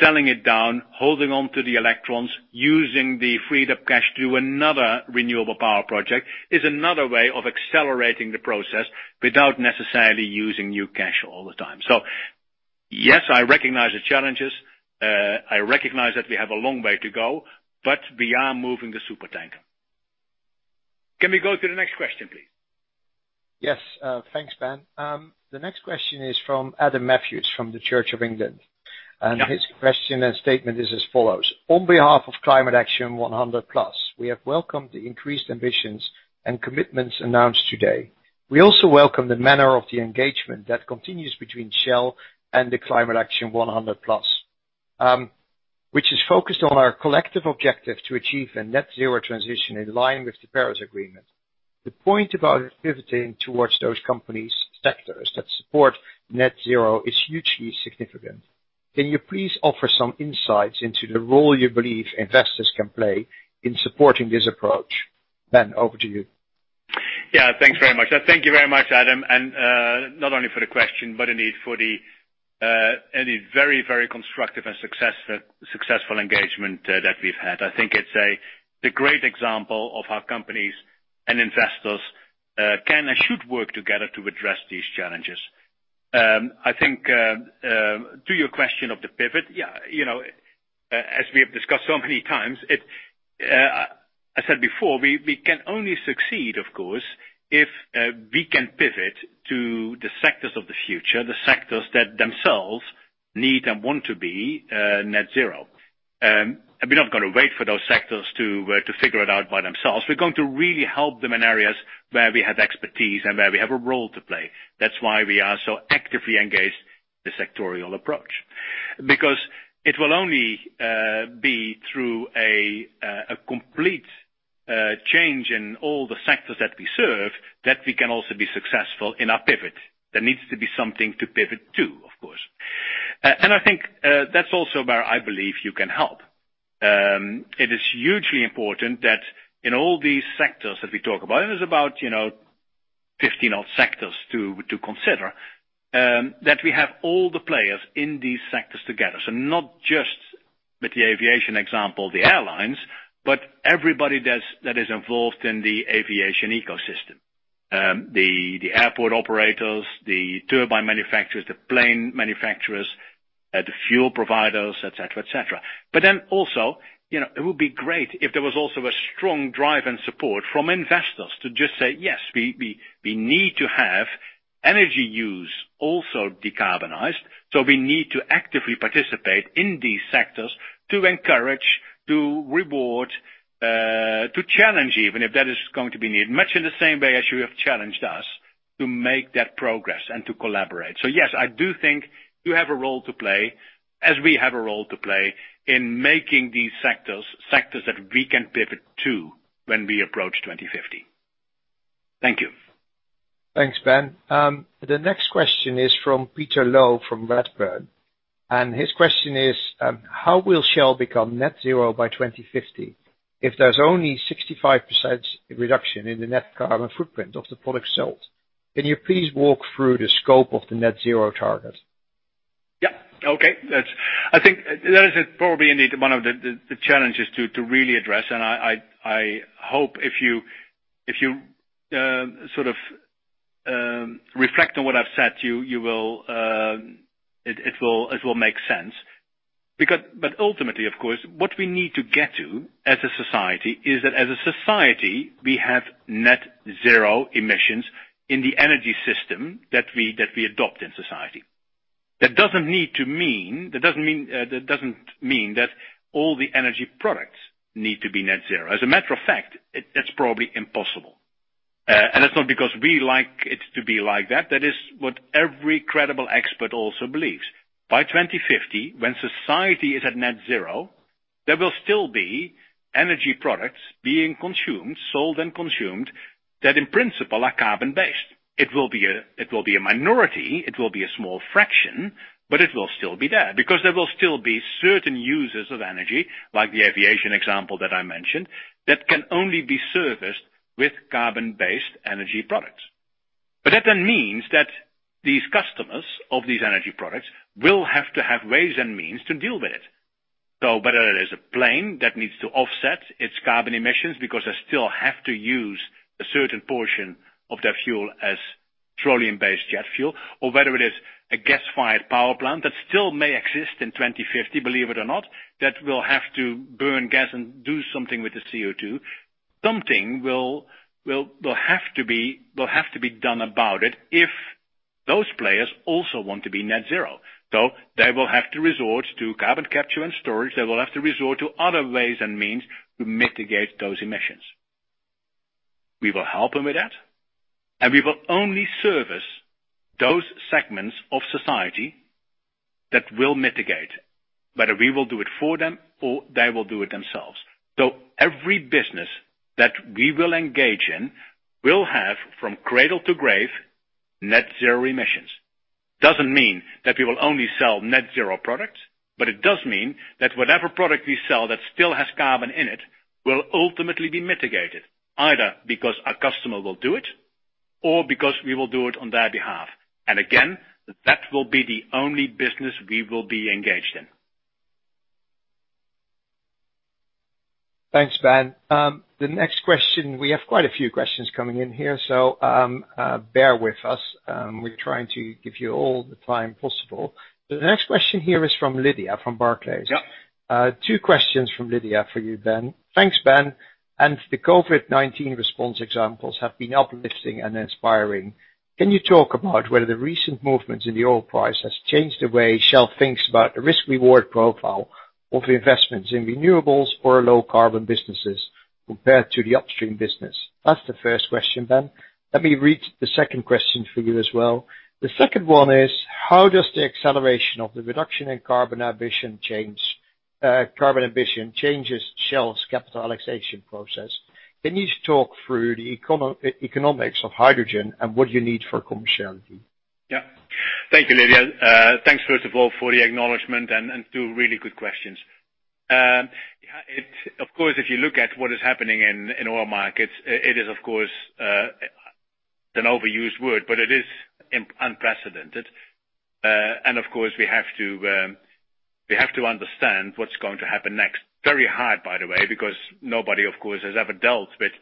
selling it down, holding onto the electrons, using the freed-up cash to do another renewable power project is another way of accelerating the process without necessarily using new cash all the time. Yes, I recognize the challenges. I recognize that we have a long way to go, but we are moving the supertanker. Can we go to the next question, please? Yes. Thanks, Ben. The next question is from Adam Matthews, from the Church of England. Yeah. His question and statement is as follows: On behalf of Climate Action 100+, we have welcomed the increased ambitions and commitments announced today. We also welcome the manner of the engagement that continues between Shell and the Climate Action 100+, which is focused on our collective objective to achieve a net-zero transition in line with the Paris Agreement. The point about pivoting towards those companies sectors that support net-zero is hugely significant. Can you please offer some insights into the role you believe investors can play in supporting this approach? Ben, over to you. Yeah. Thanks very much. Thank you very much, Adam, and not only for the question, but indeed for the very constructive and successful engagement that we've had. I think it's the great example of how companies and investors can and should work together to address these challenges. I think to your question of the pivot, as we have discussed so many times, I said before, we can only succeed, of course, if we can pivot to the sectors of the future, the sectors that themselves need and want to be net-zero. We're not going to wait for those sectors to figure it out by themselves. We're going to really help them in areas where we have expertise and where we have a role to play. That's why we are so actively engaged in the sectorial approach. It will only be through a complete change in all the sectors that we serve, that we can also be successful in our pivot. There needs to be something to pivot to, of course. I think that's also where I believe you can help. It is hugely important that in all these sectors that we talk about, and it's about 15 odd sectors to consider, that we have all the players in these sectors together. Not just with the aviation example, the airlines, but everybody that is involved in the aviation ecosystem. The airport operators, the turbine manufacturers, the plane manufacturers, the fuel providers, et cetera. Also, it would be great if there was also a strong drive and support from investors to just say, yes, we need to have energy use also decarbonized. We need to actively participate in these sectors to encourage, to reward, to challenge even, if that is going to be needed, much in the same way as you have challenged us to make that progress and to collaborate. Yes, I do think you have a role to play as we have a role to play in making these sectors that we can pivot to when we approach 2050. Thank you. Thanks, Ben. The next question is from Peter Low from Redburn, and his question is: How will Shell become net-zero by 2050 if there's only 65% reduction in the net carbon footprint of the products sold? Can you please walk through the scope of the net-zero target? Okay. I think that is probably indeed one of the challenges to really address, and I hope if you sort of reflect on what I've said to you, it'll make sense. Ultimately, of course, what we need to get to as a society is that as a society, we have net-zero emissions in the energy system that we adopt in society. That doesn't mean that all the energy products need to be net-zero. As a matter of fact, it's probably impossible. It's not because we like it to be like that. That is what every credible expert also believes. By 2050, when society is at net-zero, there will still be energy products being consumed, sold and consumed, that in principle, are carbon-based. It will be a minority, it will be a small fraction, but it will still be there, because there will still be certain users of energy, like the aviation example that I mentioned, that can only be serviced with carbon-based energy products. That then means that these customers of these energy products will have to have ways and means to deal with it. Whether it is a plane that needs to offset its carbon emissions because they still have to use a certain portion of their fuel as petroleum-based jet fuel, or whether it is a gas-fired power plant that still may exist in 2050, believe it or not, that will have to burn gas and do something with the CO₂. Something will have to be done about it. Those players also want to be net-zero. They will have to resort to carbon capture and storage. They will have to resort to other ways and means to mitigate those emissions. We will help them with that, and we will only service those segments of society that will mitigate, whether we will do it for them or they will do it themselves. Every business that we will engage in will have, from cradle to grave, net-zero emissions. Doesn't mean that we will only sell net-zero products, but it does mean that whatever product we sell that still has carbon in it, will ultimately be mitigated, either because our customer will do it or because we will do it on their behalf. Again, that will be the only business we will be engaged in. Thanks, Ben. The next question. We have quite a few questions coming in here, so bear with us. We're trying to give you all the time possible. The next question here is from Lydia, from Barclays. Yep. Two questions from Lydia for you, Ben. Thanks, Ben. The COVID-19 response examples have been uplifting and inspiring. Can you talk about whether the recent movements in the oil price has changed the way Shell thinks about the risk-reward profile of investments in renewables or low-carbon businesses compared to the upstream business? That's the first question, Ben. Let me read the second question for you as well. The second one is, how does the acceleration of the reduction in carbon ambition changes Shell's capital allocation process? Can you talk through the economics of hydrogen and what you need for commerciality? Yeah. Thank you, Lydia. Thanks, first of all, for the acknowledgement and two really good questions. If you look at what is happening in oil markets, it is, of course, an overused word, but it is unprecedented. We have to understand what's going to happen next. Very hard, by the way, because nobody, of course, has ever dealt with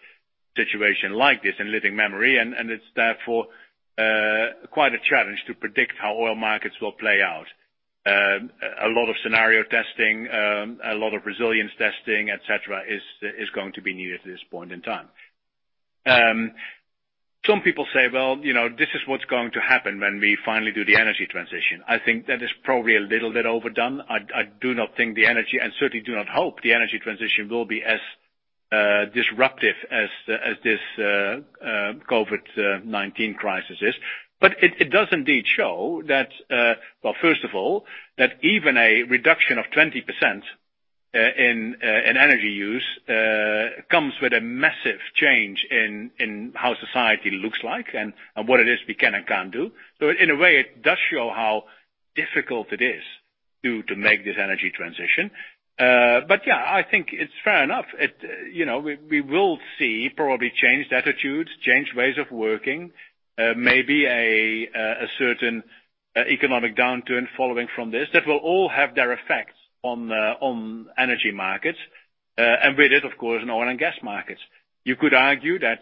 situation like this in living memory. It's therefore quite a challenge to predict how oil markets will play out. A lot of scenario testing, a lot of resilience testing, et cetera, is going to be needed at this point in time. Some people say, Well, this is what's going to happen when we finally do the energy transition. I think that is probably a little bit overdone. I do not think the energy, and certainly do not hope the energy transition will be as disruptive as this COVID-19 crisis is. It does indeed show that, well, first of all, that even a reduction of 20% in energy use comes with a massive change in how society looks like and what it is we can and can't do. In a way, it does show how difficult it is to make this energy transition. Yeah, I think it's fair enough. We will see probably changed attitudes, changed ways of working, maybe a certain economic downturn following from this, that will all have their effects on energy markets, and with it, of course, on oil and gas markets. You could argue that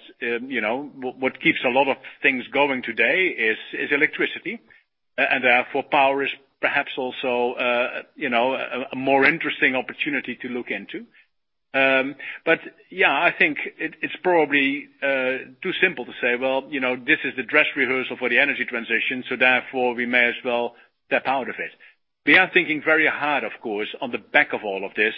what keeps a lot of things going today is electricity, and therefore power is perhaps also a more interesting opportunity to look into. Yeah, I think it's probably too simple to say, This is the dress rehearsal for the energy transition, so therefore we may as well step out of it. We are thinking very hard, of course, on the back of all of this,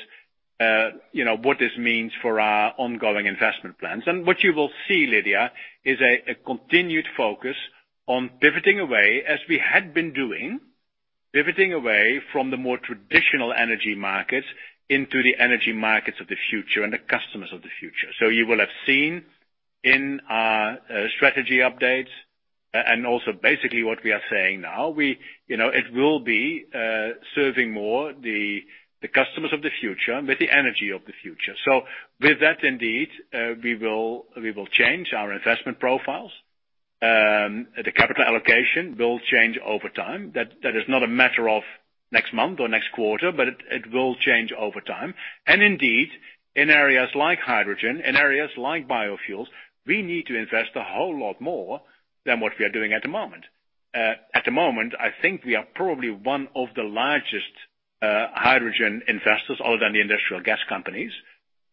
what this means for our ongoing investment plans. What you will see, Lydia, is a continued focus on pivoting away, as we had been doing, pivoting away from the more traditional energy markets into the energy markets of the future and the customers of the future. You will have seen in our strategy updates, and also basically what we are saying now, it will be serving more the customers of the future with the energy of the future. With that, indeed, we will change our investment profiles. The capital allocation will change over time. That is not a matter of next month or next quarter, but it will change over time. Indeed, in areas like hydrogen, in areas like biofuels, we need to invest a whole lot more than what we are doing at the moment. At the moment, I think we are probably one of the largest hydrogen investors, other than the industrial gas companies,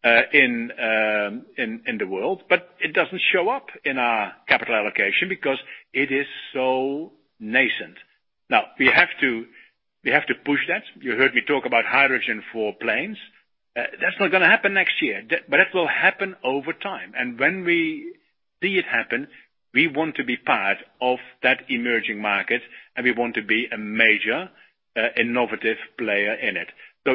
in the world. It doesn't show up in our capital allocation because it is so nascent. Now, we have to push that. You heard me talk about hydrogen for planes. That's not gonna happen next year, but it will happen over time. When we see it happen, we want to be part of that emerging market, and we want to be a major innovative player in it.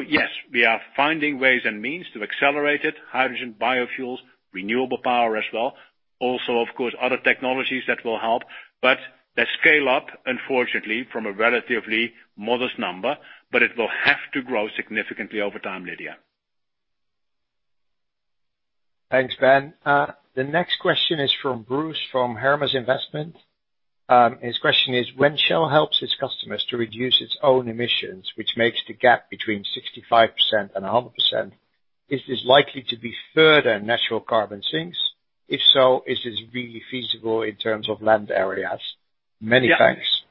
Yes, we are finding ways and means to accelerate it, hydrogen, biofuels, renewable power as well. Of course, other technologies that will help. They scale up, unfortunately, from a relatively modest number, but it will have to grow significantly over time, Lydia. Thanks, Ben. The next question is from Bruce from Hermes Investment. His question is: When Shell helps its customers to reduce its own emissions, which makes the gap between 65% and 100%, is this likely to be further natural carbon sinks? If so, is this really feasible in terms of land areas? Many thanks.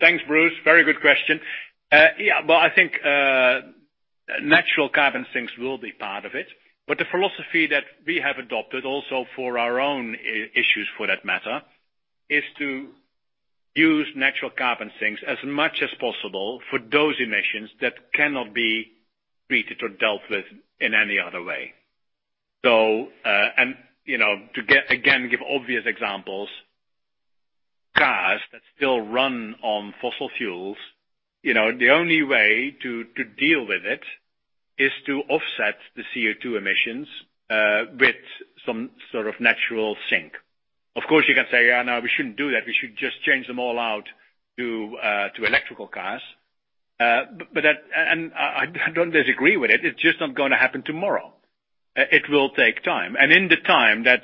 Thanks, Bruce. Very good question. Well, natural carbon sinks will be part of it, but the philosophy that we have adopted also for our own issues for that matter, is to use natural carbon sinks as much as possible for those emissions that cannot be treated or dealt with in any other way. To, again, give obvious examples, cars that still run on fossil fuels, the only way to deal with it is to offset the CO₂ emissions, with some sort of natural sink. Of course, you can say, No, we shouldn't do that. We should just change them all out to electrical cars. I don't disagree with it. It's just not going to happen tomorrow. It will take time. In the time that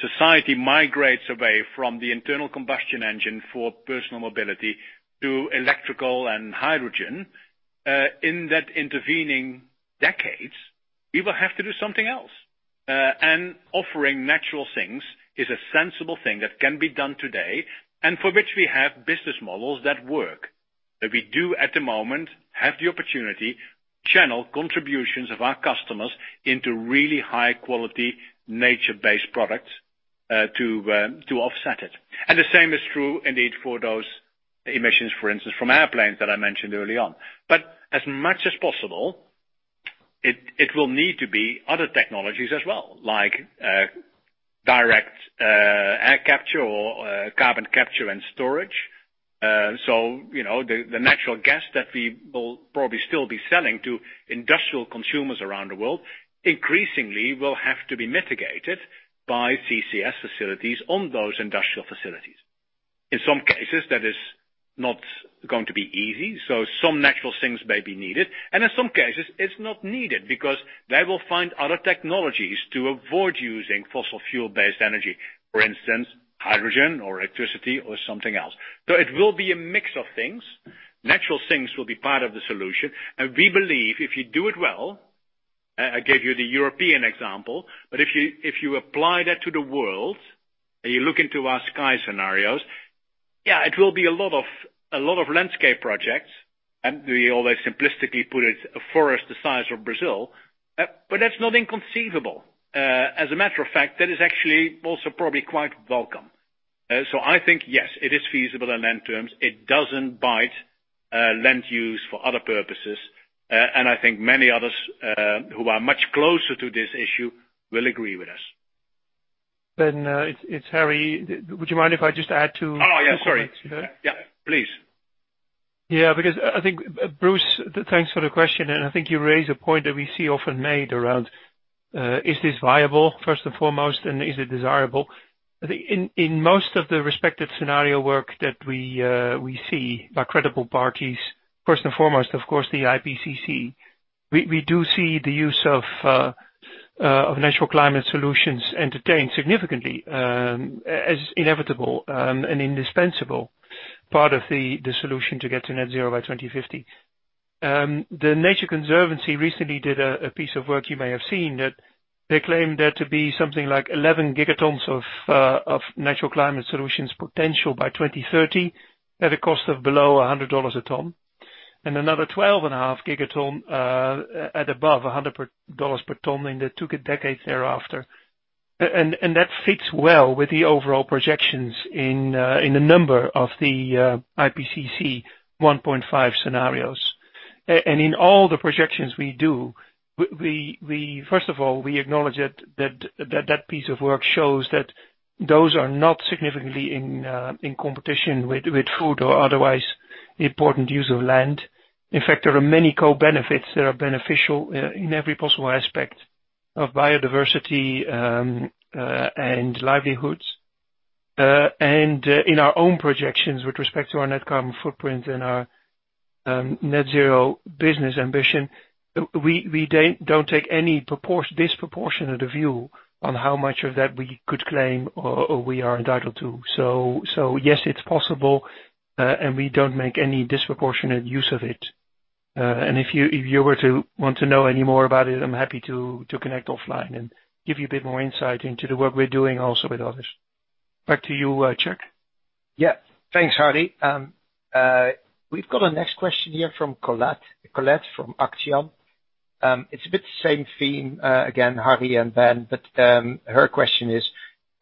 society migrates away from the internal combustion engine for personal mobility to electrical and hydrogen, in that intervening decades, we will have to do something else. Offering natural sinks is a sensible thing that can be done today, and for which we have business models that work. That we do at the moment, have the opportunity, channel contributions of our customers into really high quality nature-based products to offset it. The same is true indeed for those emissions, for instance, from airplanes that I mentioned early on. As much as possible, it will need to be other technologies as well, like direct air capture or carbon capture and storage. The natural gas that we will probably still be selling to industrial consumers around the world increasingly will have to be mitigated by CCS facilities on those industrial facilities. In some cases, that is not going to be easy, so some natural sinks may be needed. In some cases, it's not needed because they will find other technologies to avoid using fossil fuel-based energy. For instance, hydrogen or electricity or something else. It will be a mix of things. Natural sinks will be part of the solution. We believe if you do it well, I gave you the European example, but if you apply that to the world and you look into our Sky scenarios, yeah, it will be a lot of landscape projects, and we always simplistically put it a forest the size of Brazil. That's not inconceivable. As a matter of fact, that is actually also probably quite welcome. I think, yes, it is feasible in land terms. It doesn't bite land use for other purposes. I think many others who are much closer to this issue will agree with us. Ben, it's Harry. Would you mind if I just add. Oh, yeah, sorry. Yeah. Please. Yeah. I think, Bruce, thanks for the question, and I think you raise a point that we see often made around, is this viable, first and foremost, and is it desirable? I think in most of the respective scenario work that we see by credible parties, first and foremost, of course, the IPCC, we do see the use of natural climate solutions entertained significantly, as inevitable, an indispensable part of the solution to get to net-zero by 2050. The Nature Conservancy recently did a piece of work you may have seen that they claimed there to be something like 11 gigatons of natural climate solutions potential by 2030 at a cost of below $100 a ton, and another 12 and a half gigaton at above $100 per ton in the two decades thereafter. That fits well with the overall projections in a number of the IPCC 1.5 scenarios. In all the projections we do, first of all, we acknowledge that piece of work shows that those are not significantly in competition with food or otherwise important use of land. In fact, there are many co-benefits that are beneficial in every possible aspect of biodiversity and livelihoods. In our own projections with respect to our net carbon footprint and our net-zero business ambition, we don't take any disproportionate view on how much of that we could claim or we are entitled to. Yes, it's possible, and we don't make any disproportionate use of it. If you were to want to know any more about it, I'm happy to connect offline and give you a bit more insight into the work we're doing also with others. Back to you, Tjerk. Yeah. Thanks, Harry. We've got a next question here from Colette. Colette from Axiom. It's a bit the same theme again, Harry and Ben, but her question is,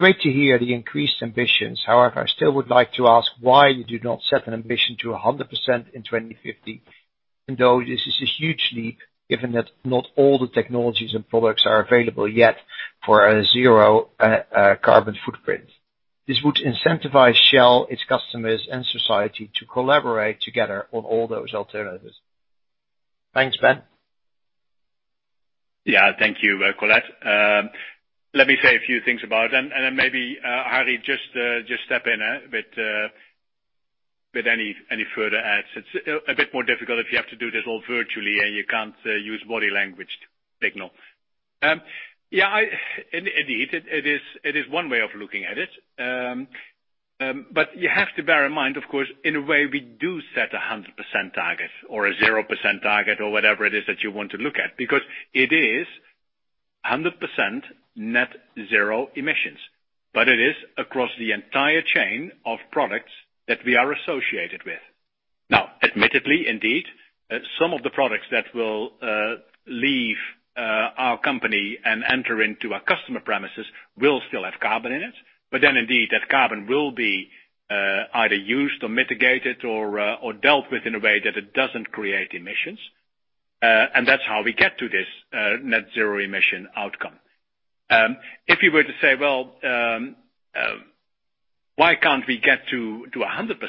great to hear the increased ambitions. I still would like to ask why you do not set an ambition to 100% in 2050, even though this is a huge leap given that not all the technologies and products are available yet for a zero carbon footprint. This would incentivize Shell, its customers, and society to collaborate together on all those alternatives. Thanks, Ben. Yeah. Thank you, Colette. Let me say a few things about it, and then maybe, Harry, just step in with any further adds. It's a bit more difficult if you have to do this all virtually and you can't use body language to signal. Indeed, it is one way of looking at it. You have to bear in mind, of course, in a way we do set 100% target or a 0% target or whatever it is that you want to look at. It is 100% net-zero emissions, it is across the entire chain of products that we are associated with. Admittedly, indeed, some of the products that will leave our company and enter into our customer premises will still have carbon in it. Indeed, that carbon will be either used or mitigated or dealt with in a way that it doesn't create emissions. That's how we get to this net-zero emission outcome. If you were to say, well, why can't we get to 100%?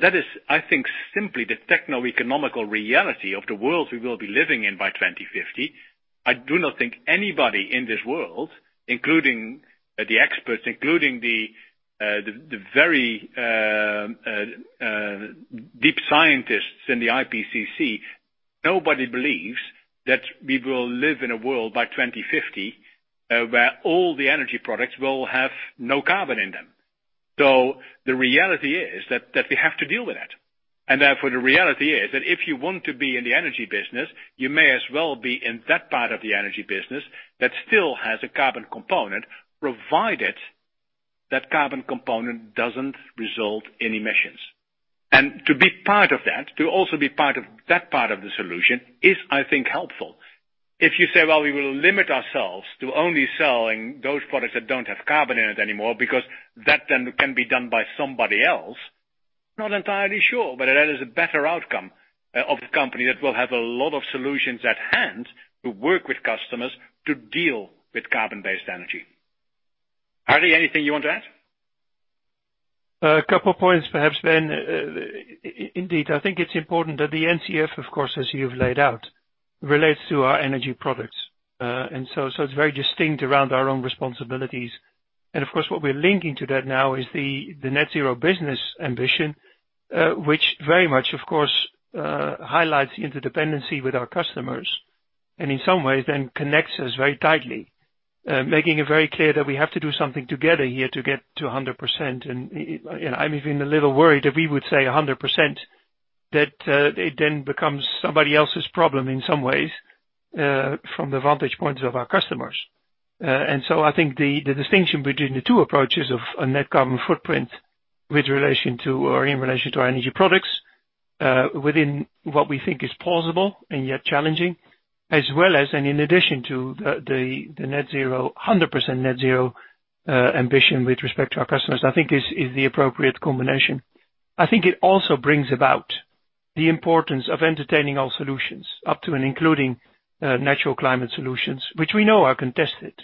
That is, I think, simply the techno-economical reality of the world we will be living in by 2050. I do not think anybody in this world, including the experts, including the very deep scientists in the IPCC, nobody believes that we will live in a world by 2050, where all the energy products will have no carbon in them. The reality is that we have to deal with that. The reality is that if you want to be in the energy business, you may as well be in that part of the energy business that still has a carbon component, provided that carbon component doesn't result in emissions. To be part of that, to also be part of that part of the solution is, I think, helpful. If you say, well, we will limit ourselves to only selling those products that don't have carbon in it anymore because that then can be done by somebody else, not entirely sure, but that is a better outcome of the company that will have a lot of solutions at hand to work with customers to deal with carbon-based energy. Harry, anything you want to add? A couple of points perhaps, Ben. Indeed, I think it's important that the NCF, of course, as you've laid out, relates to our energy products. So it's very distinct around our own responsibilities. Of course, what we're linking to that now is the net-zero business ambition, which very much, of course, highlights the interdependency with our customers, and in some ways then connects us very tightly, making it very clear that we have to do something together here to get to 100%. I'm even a little worried if we would say 100%, that it then becomes somebody else's problem in some ways, from the vantage points of our customers. I think the distinction between the two approaches of a net carbon footprint in relation to our energy products, within what we think is plausible and yet challenging, as well as, and in addition to the 100% net-zero ambition with respect to our customers, I think is the appropriate combination. I think it also brings about the importance of entertaining all solutions up to and including natural climate solutions, which we know are contested,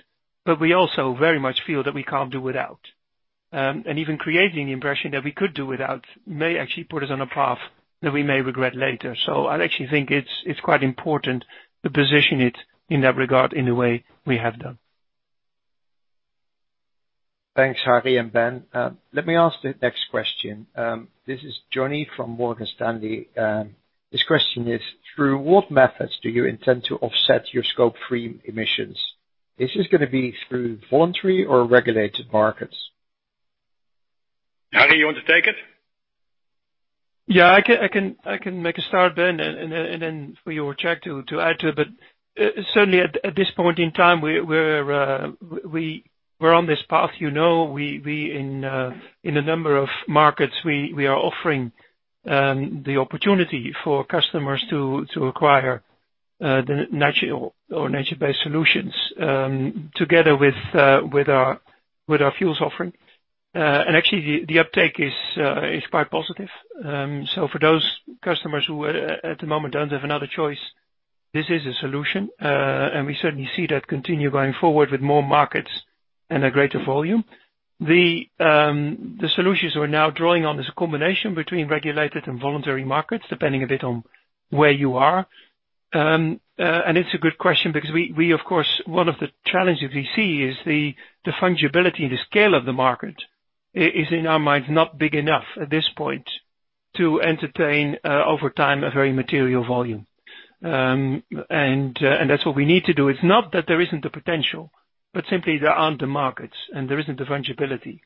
but we also very much feel that we can't do without. Even creating the impression that we could do without may actually put us on a path that we may regret later. I actually think it's quite important to position it in that regard in the way we have done. Thanks, Harry and Ben. Let me ask the next question. This is Johnny from Morgan Stanley. His question is, through what methods do you intend to offset your Scope 3 emissions? Is this going to be through voluntary or regulated markets? Harry, you want to take it? Yeah, I can make a start, Ben, then for you or Tjerk to add to it. Certainly at this point in time, we're on this path. In a number of markets, we are offering the opportunity for customers to acquire the natural or nature-based solutions, together with our fuels offering. Actually, the uptake is quite positive. For those customers who at the moment don't have another choice, this is a solution, and we certainly see that continue going forward with more markets and a greater volume. The solutions we're now drawing on is a combination between regulated and voluntary markets, depending a bit on where you are. It's a good question because one of the challenges we see is the fungibility and the scale of the market is, in our minds, not big enough at this point to entertain, over time, a very material volume. That's what we need to do. It's not that there isn't a potential, but simply there aren't the markets and there isn't the fungibility.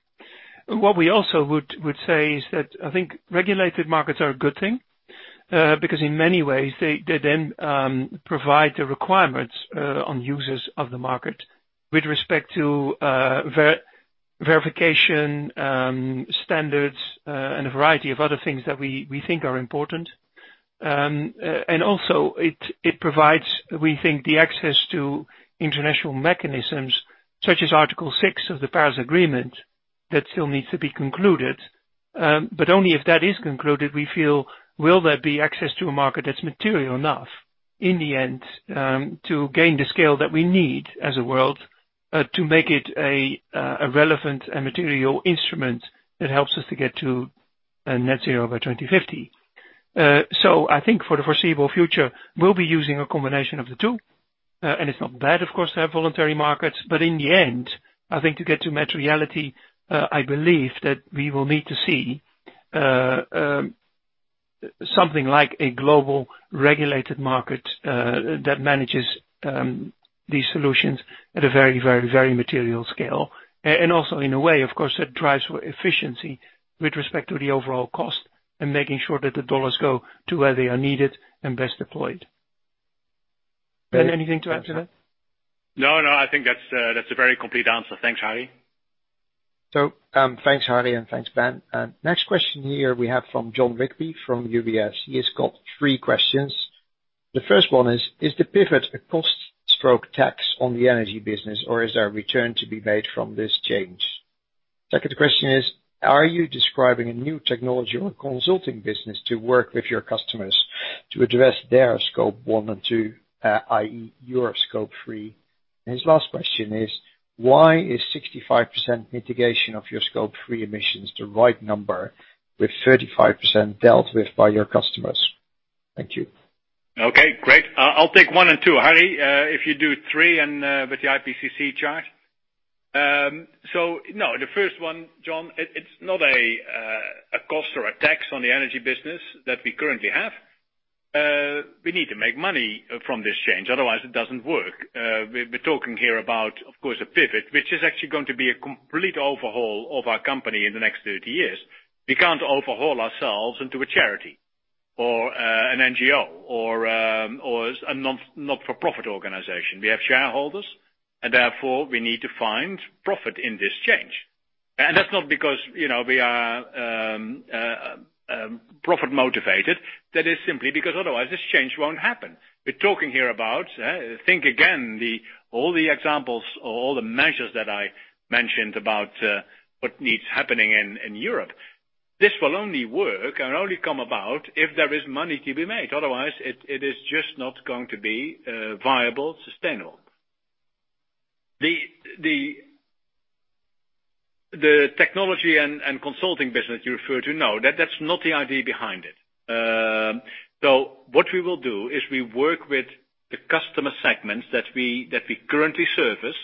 What we also would say is that I think regulated markets are a good thing, because in many ways, they then provide the requirements on users of the market with respect to verification, standards, and a variety of other things that we think are important. Also it provides, we think, the access to international mechanisms such as Article 6 of the Paris Agreement that still needs to be concluded. Only if that is concluded, we feel will there be access to a market that's material enough in the end, to gain the scale that we need as a world, to make it a relevant and material instrument that helps us to get to net-zero by 2050. I think for the foreseeable future, we'll be using a combination of the two. It's not bad, of course, to have voluntary markets, but in the end, I think to get to materiality, I believe that we will need to see something like a global regulated market, that manages these solutions at a very material scale. Also in a way, of course, that drives efficiency with respect to the overall cost and making sure that the dollars go to where they are needed and best deployed. Ben, anything to add to that? No, I think that's a very complete answer. Thanks, Harry. Thanks, Harry, and thanks, Ben. Next question here we have from Jon Rigby from UBS. He has got three questions. The first one is: Is the pivot a cost/tax on the energy business, or is there a return to be made from this change? Second question is: Are you describing a new technology or consulting business to work with your customers to address their Scope 1 and 2, i.e., your Scope 3? And his last question is: Why is 65% mitigation of your Scope 3 emissions the right number with 35% dealt with by your customers? Thank you. Okay, great. I'll take one and two, Harry. If you do three and with the IPCC chart. No, the first one, Jon, it's not a cost or a tax on the energy business that we currently have. We need to make money from this change, otherwise it doesn't work. We're talking here about, of course, a pivot, which is actually going to be a complete overhaul of our company in the next 30 years. We can't overhaul ourselves into a charity or an NGO, or a not-for-profit organization. We have shareholders, therefore we need to find profit in this change. That's not because we are profit-motivated, that is simply because otherwise this change won't happen. We're talking here about, think again, all the examples or all the measures that I mentioned about what needs happening in Europe. This will only work and only come about if there is money to be made. Otherwise, it is just not going to be viable, sustainable. The technology and consulting business you refer to, no, that's not the idea behind it. What we will do is we work with the customer segments that we currently service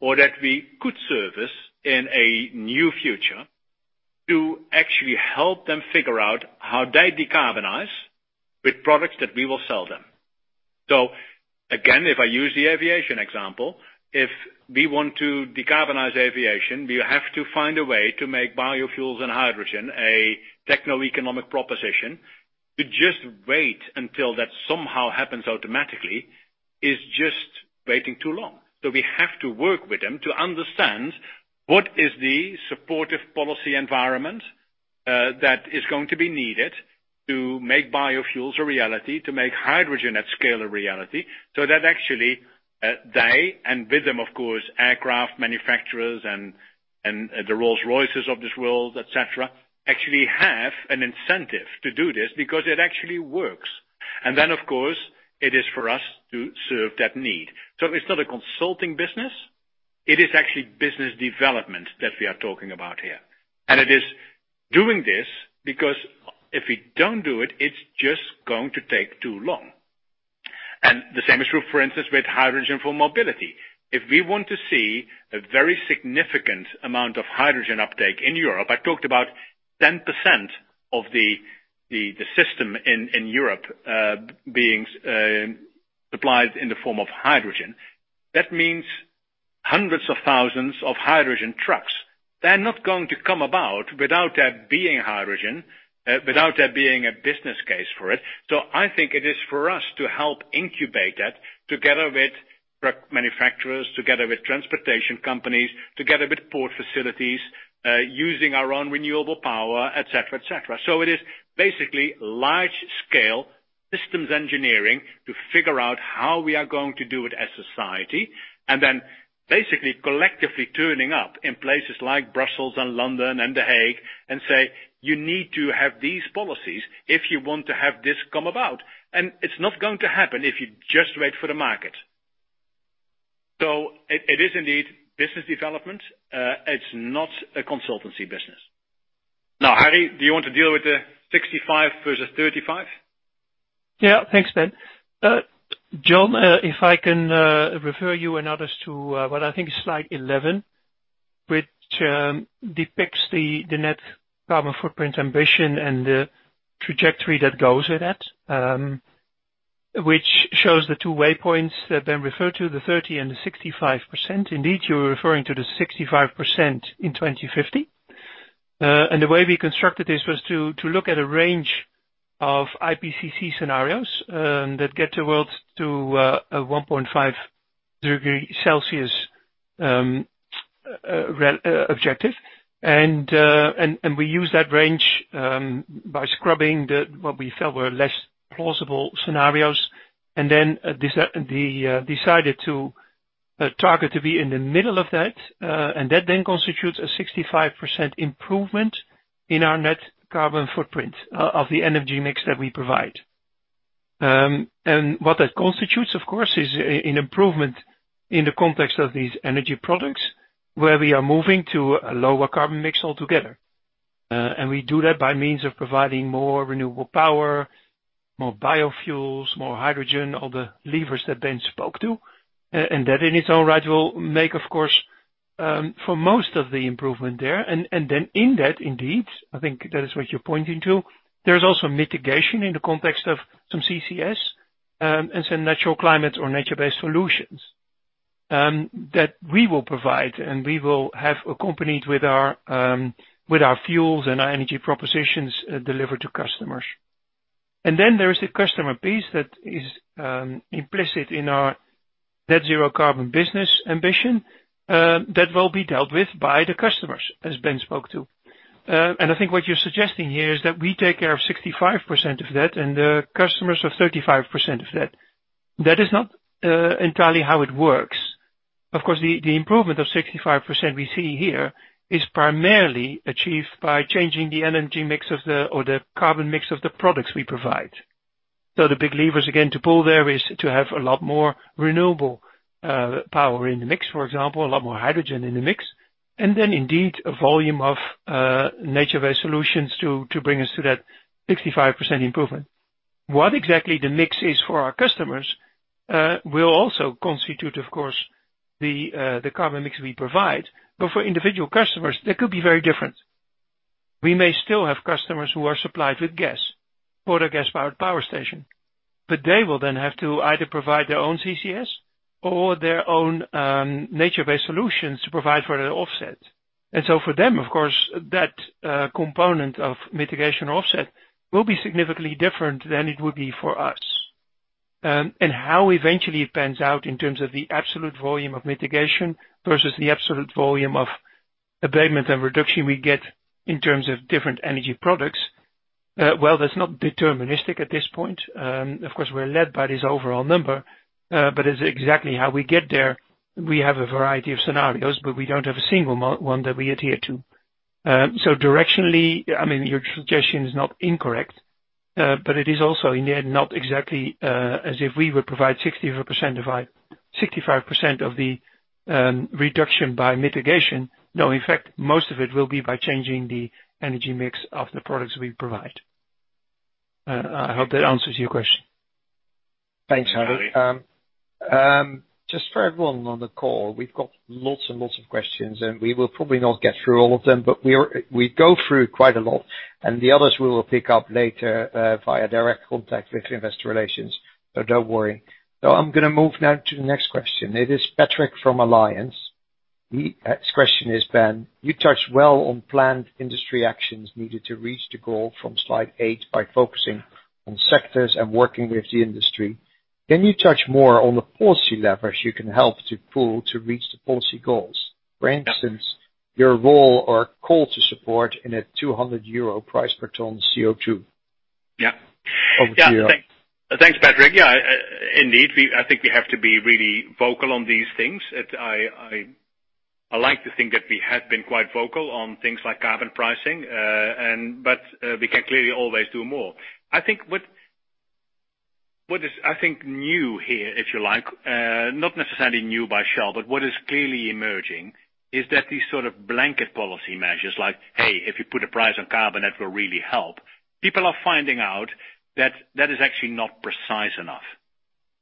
or that we could service in a new future to actually help them figure out how they decarbonize with products that we will sell them. Again, if I use the aviation example, if we want to decarbonize aviation, we have to find a way to make biofuels and hydrogen a techno-economic proposition. To just wait until that somehow happens automatically is just waiting too long. We have to work with them to understand what is the supportive policy environment that is going to be needed to make biofuels a reality, to make hydrogen at scale a reality. That actually, they, and with them, of course, aircraft manufacturers and the Rolls-Royce of this world, et cetera, actually have an incentive to do this because it actually works. Then, of course, it is for us to serve that need. It's not a consulting business. It is actually business development that we are talking about here. It is doing this because if we don't do it's just going to take too long. The same is true, for instance, with hydrogen for mobility. If we want to see a very significant amount of hydrogen uptake in Europe, I talked about 10% of the system in Europe being supplied in the form of hydrogen. That means hundreds of thousands of hydrogen trucks. They're not going to come about without there being hydrogen, without there being a business case for it. I think it is for us to help incubate that together with truck manufacturers, together with transportation companies, together with port facilities, using our own renewable power, et cetera. It is basically large-scale systems engineering to figure out how we are going to do it as society, and then basically collectively turning up in places like Brussels and London and The Hague and say, you need to have these policies if you want to have this come about. It's not going to happen if you just wait for the market. It is indeed business development. It's not a consultancy business. Harry, do you want to deal with the 65% versus 35%? Yeah. Thanks, Ben. Jon, if I can refer you and others to what I think is slide 11, which depicts the net carbon footprint ambition and the trajectory that goes with that, which shows the two way points that Ben referred to, the 30% and the 65%. Indeed, you're referring to the 65% in 2050. The way we constructed this was to look at a range of IPCC scenarios that get the world to a 1.5 degrees Celsius objective. We use that range by scrubbing what we felt were less plausible scenarios, and then decided to target to be in the middle of that. That then constitutes a 65% improvement in our net carbon footprint of the energy mix that we provide. What that constitutes, of course, is an improvement in the context of these energy products, where we are moving to a lower carbon mix altogether. We do that by means of providing more renewable power, more biofuels, more hydrogen, all the levers that Ben spoke to. That in its own right will make, of course, for most of the improvement there. Then in that, indeed, I think that is what you're pointing to. There's also mitigation in the context of some CCS, and some natural climate or nature-based solutions that we will provide, and we will have accompanied with our fuels and our energy propositions delivered to customers. Then there is the customer piece that is implicit in our net-zero Carbon Business Ambition, that will be dealt with by the customers, as Ben spoke to. I think what you're suggesting here is that we take care of 65% of that, and the customers of 35% of that. That is not entirely how it works. Of course, the improvement of 65% we see here is primarily achieved by changing the energy mix or the carbon mix of the products we provide. The big levers again to pull there is to have a lot more renewable power in the mix, for example, a lot more hydrogen in the mix. Then indeed, a volume of nature-based solutions to bring us to that 65% improvement. What exactly the mix is for our customers will also constitute, of course, the carbon mix we provide. For individual customers, that could be very different. We may still have customers who are supplied with gas for a gas-powered power station. They will then have to either provide their own CCS or their own nature-based solutions to provide for the offset. For them, of course, that component of mitigation offset will be significantly different than it would be for us. How eventually it pans out in terms of the absolute volume of mitigation versus the absolute volume of abatement and reduction we get in terms of different energy products, well, that's not deterministic at this point. Of course, we're led by this overall number. As exactly how we get there, we have a variety of scenarios, but we don't have a single one that we adhere to. Directionally, your suggestion is not incorrect. It is also in the end, not exactly as if we would provide 65% of the reduction by mitigation. No, in fact, most of it will be by changing the energy mix of the products we provide. I hope that answers your question. Thanks, Harry. Just for everyone on the call, we've got lots and lots of questions, and we will probably not get through all of them, but we go through quite a lot, and the others we will pick up later via direct contact with investor relations. Don't worry. I'm gonna move now to the next question. It is Patrick from Alliance. His question is, Ben, you touched well on planned industry actions needed to reach the goal from slide eight by focusing on sectors and working with the industry. Can you touch more on the policy levers you can help to pull to reach the policy goals? For instance, your role or call to support in a 200 euro price per ton of CO₂. Yeah. Thanks, Patrick. Yeah, indeed. I think we have to be really vocal on these things. I like to think that we have been quite vocal on things like carbon pricing, but we can clearly always do more. I think what is new here, if you like, not necessarily new by Shell, but what is clearly emerging is that these sort of blanket policy measures, like, hey, if you put a price on carbon, that will really help. People are finding out that that is actually not precise enough.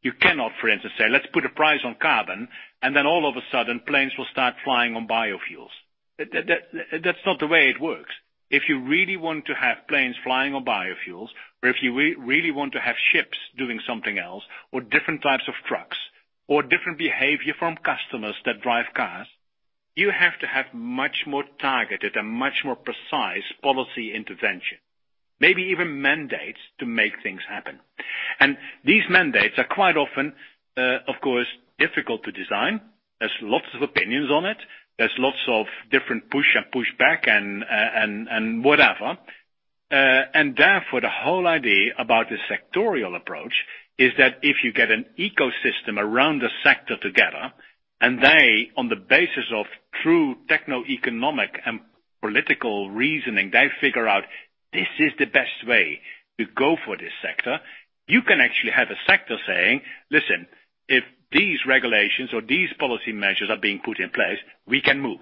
You cannot, for instance, say, let's put a price on carbon, and then all of a sudden planes will start flying on biofuels. That's not the way it works. If you really want to have planes flying on biofuels, or if you really want to have ships doing something else or different types of trucks or different behavior from customers that drive cars, you have to have much more targeted and much more precise policy intervention, maybe even mandates to make things happen. These mandates are quite often, of course, difficult to design. There's lots of opinions on it. There's lots of different push and pushback and whatever. Therefore, the whole idea about the sectorial approach is that if you get an ecosystem around the sector together, and they, on the basis of true techno-economic and political reasoning, they figure out this is the best way to go for this sector. You can actually have a sector saying, listen, if these regulations or these policy measures are being put in place, we can move.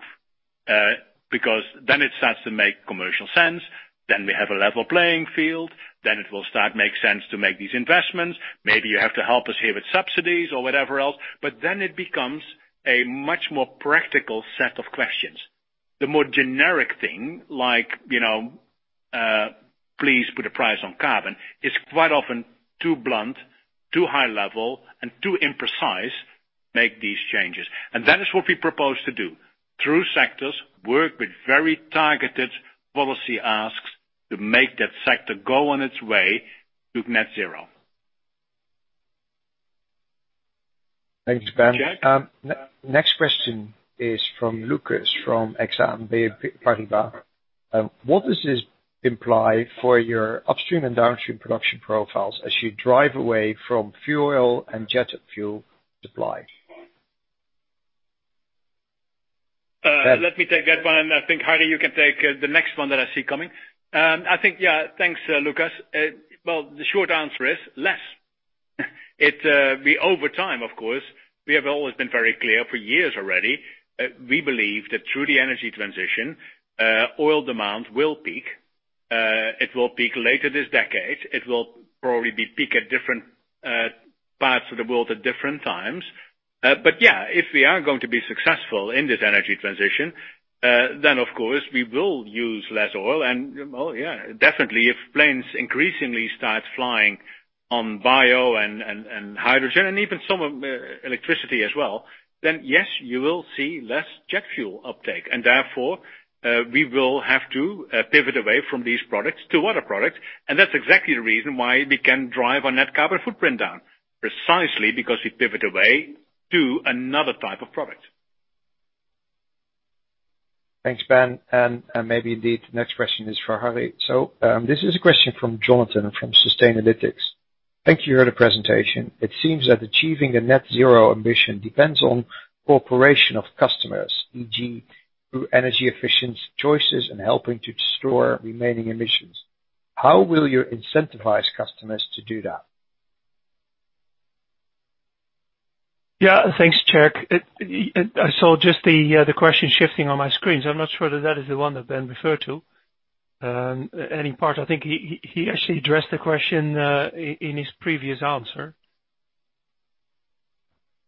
Then it starts to make commercial sense. We have a level playing field. It will start make sense to make these investments. Maybe you have to help us here with subsidies or whatever else, it becomes a much more practical set of questions. The more generic thing like, please put a price on carbon, is quite often too blunt, too high level, and too imprecise, make these changes. That is what we propose to do. Through sectors, work with very targeted policy asks to make that sector go on its way to net-zero. Thanks, Ben. Next question is from Lucas, from Exane BNP Paribas. What does this imply for your upstream and downstream production profiles as you drive away from fuel oil and jet fuel supply? Let me take that one, and I think, Harry, you can take the next one that I see coming. Thanks, Lucas. Well, the short answer is less. Over time, of course, we have always been very clear for years already, we believe that through the energy transition, oil demand will peak. It will peak later this decade. It will probably peak at different parts of the world at different times. Yeah, if we are going to be successful in this energy transition, of course we will use less oil. Well, yeah, definitely, if planes increasingly start flying on bio and hydrogen, even some electricity as well, yes, you will see less jet fuel uptake, and therefore, we will have to pivot away from these products to other products. That's exactly the reason why we can drive our net carbon footprint down, precisely because we pivot away to another type of product. Thanks, Ben. Maybe indeed, the next question is for Harry. This is a question from Jonathan from Sustainalytics. Thank you for the presentation. It seems that achieving a net-zero ambition depends on cooperation of customers, e.g., through energy efficient choices and helping to store remaining emissions. How will you incentivize customers to do that? Thanks, Tjerk. I saw just the question shifting on my screen. I'm not sure that is the one that Ben referred to. Any part, I think he actually addressed the question in his previous answer.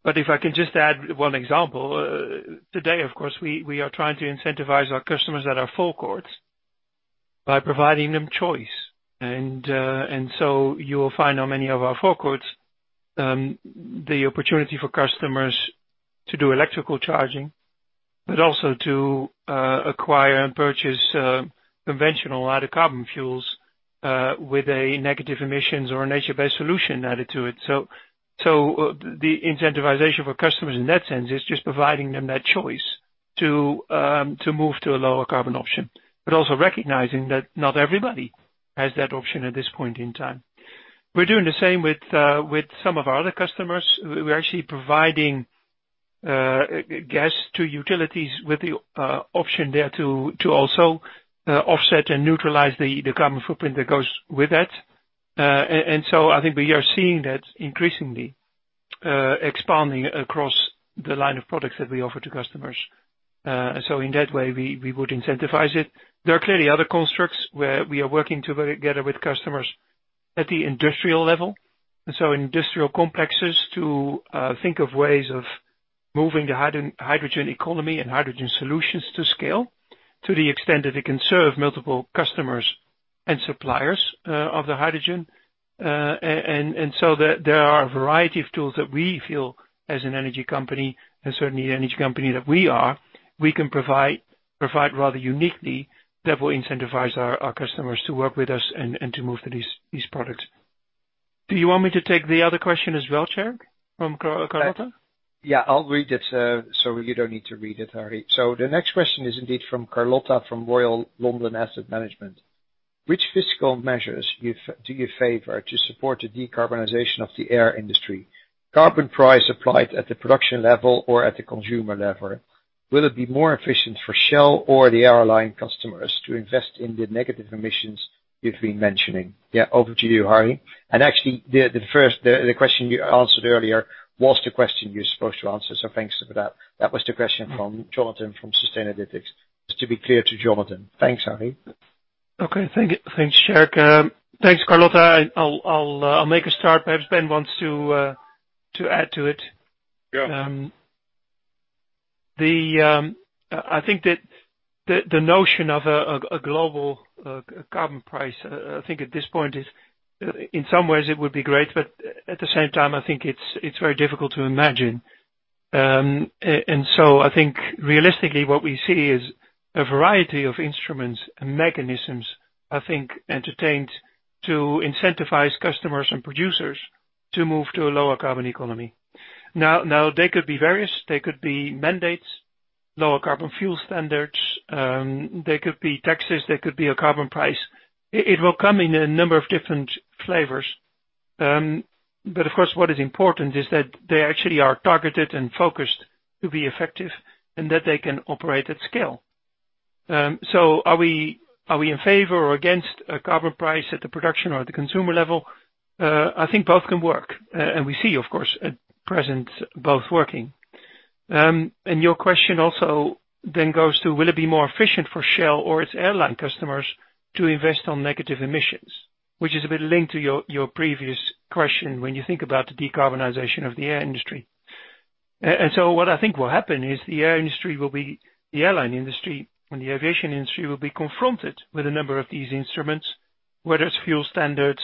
If I can just add one example. Today, of course, we are trying to incentivize our customers at our forecourts by providing them choice. You will find on many of our forecourts, the opportunity for customers to do electrical charging, but also to acquire and purchase conventional out of carbon fuels, with a negative emissions or a nature-based solution added to it. The incentivization for customers in that sense is just providing them that choice to move to a lower carbon option. Also recognizing that not everybody has that option at this point in time. We're doing the same with some of our other customers. We're actually providing gas to utilities with the option there to also offset and neutralize the carbon footprint that goes with that. I think we are seeing that increasingly expanding across the line of products that we offer to customers. In that way, we would incentivize it. There are clearly other constructs where we are working together with customers at the industrial level, industrial complexes to think of ways of moving the hydrogen economy and hydrogen solutions to scale, to the extent that it can serve multiple customers and suppliers of the hydrogen. There are a variety of tools that we feel as an energy company, and certainly the energy company that we are, we can provide rather uniquely that will incentivize our customers to work with us and to move to these products. Do you want me to take the other question as well, Tjerk, from Carlota? Yeah, I'll read it, so you don't need to read it, Harry. The next question is indeed from Carlota, from Royal London Asset Management. Which fiscal measures do you favor to support the decarbonization of the air industry? Carbon price applied at the production level or at the consumer level? Will it be more efficient for Shell or the airline customers to invest in the negative emissions you've been mentioning? Yeah. Over to you, Harry. Actually, the question you answered earlier was the question you're supposed to answer, so thanks for that. That was the question from Jonathan from Sustainalytics, just to be clear to Jonathan. Thanks, Harry. Okay. Thanks, Tjerk. Thanks, Carlota. I'll make a start. Perhaps Ben wants to add to it. Yeah. I think that the notion of a global carbon price, I think at this point is, in some ways it would be great, but at the same time, I think it's very difficult to imagine. I think realistically what we see is a variety of instruments and mechanisms, I think, entertained to incentivize customers and producers to move to a lower carbon economy. Now, they could be various. They could be mandates, lower carbon fuel standards. They could be taxes, they could be a carbon price. It will come in a number of different flavors. Of course, what is important is that they actually are targeted and focused to be effective, and that they can operate at scale. Are we in favor or against a carbon price at the production or at the consumer level? I think both can work. We see, of course, at present, both working. Your question also goes to, will it be more efficient for Shell or its airline customers to invest on negative emissions? Which is a bit linked to your previous question when you think about the decarbonization of the air industry. What I think will happen is the airline industry and the aviation industry will be confronted with a number of these instruments, whether it's fuel standards,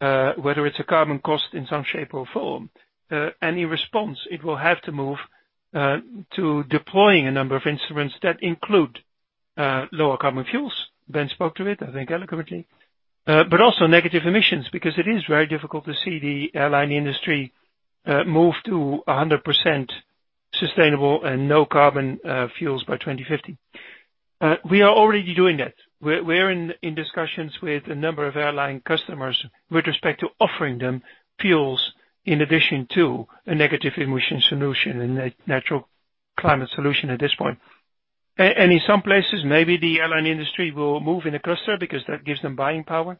whether it's a carbon cost in some shape or form. Any response, it will have to move to deploying a number of instruments that include lower carbon fuels. Ben spoke to it, I think eloquently. Also negative emissions, because it is very difficult to see the airline industry move to 100% sustainable and no carbon fuels by 2050. We are already doing that. We're in discussions with a number of airline customers with respect to offering them fuels in addition to a negative emission solution and a natural climate solution at this point. In some places, maybe the airline industry will move in a cluster because that gives them buying power.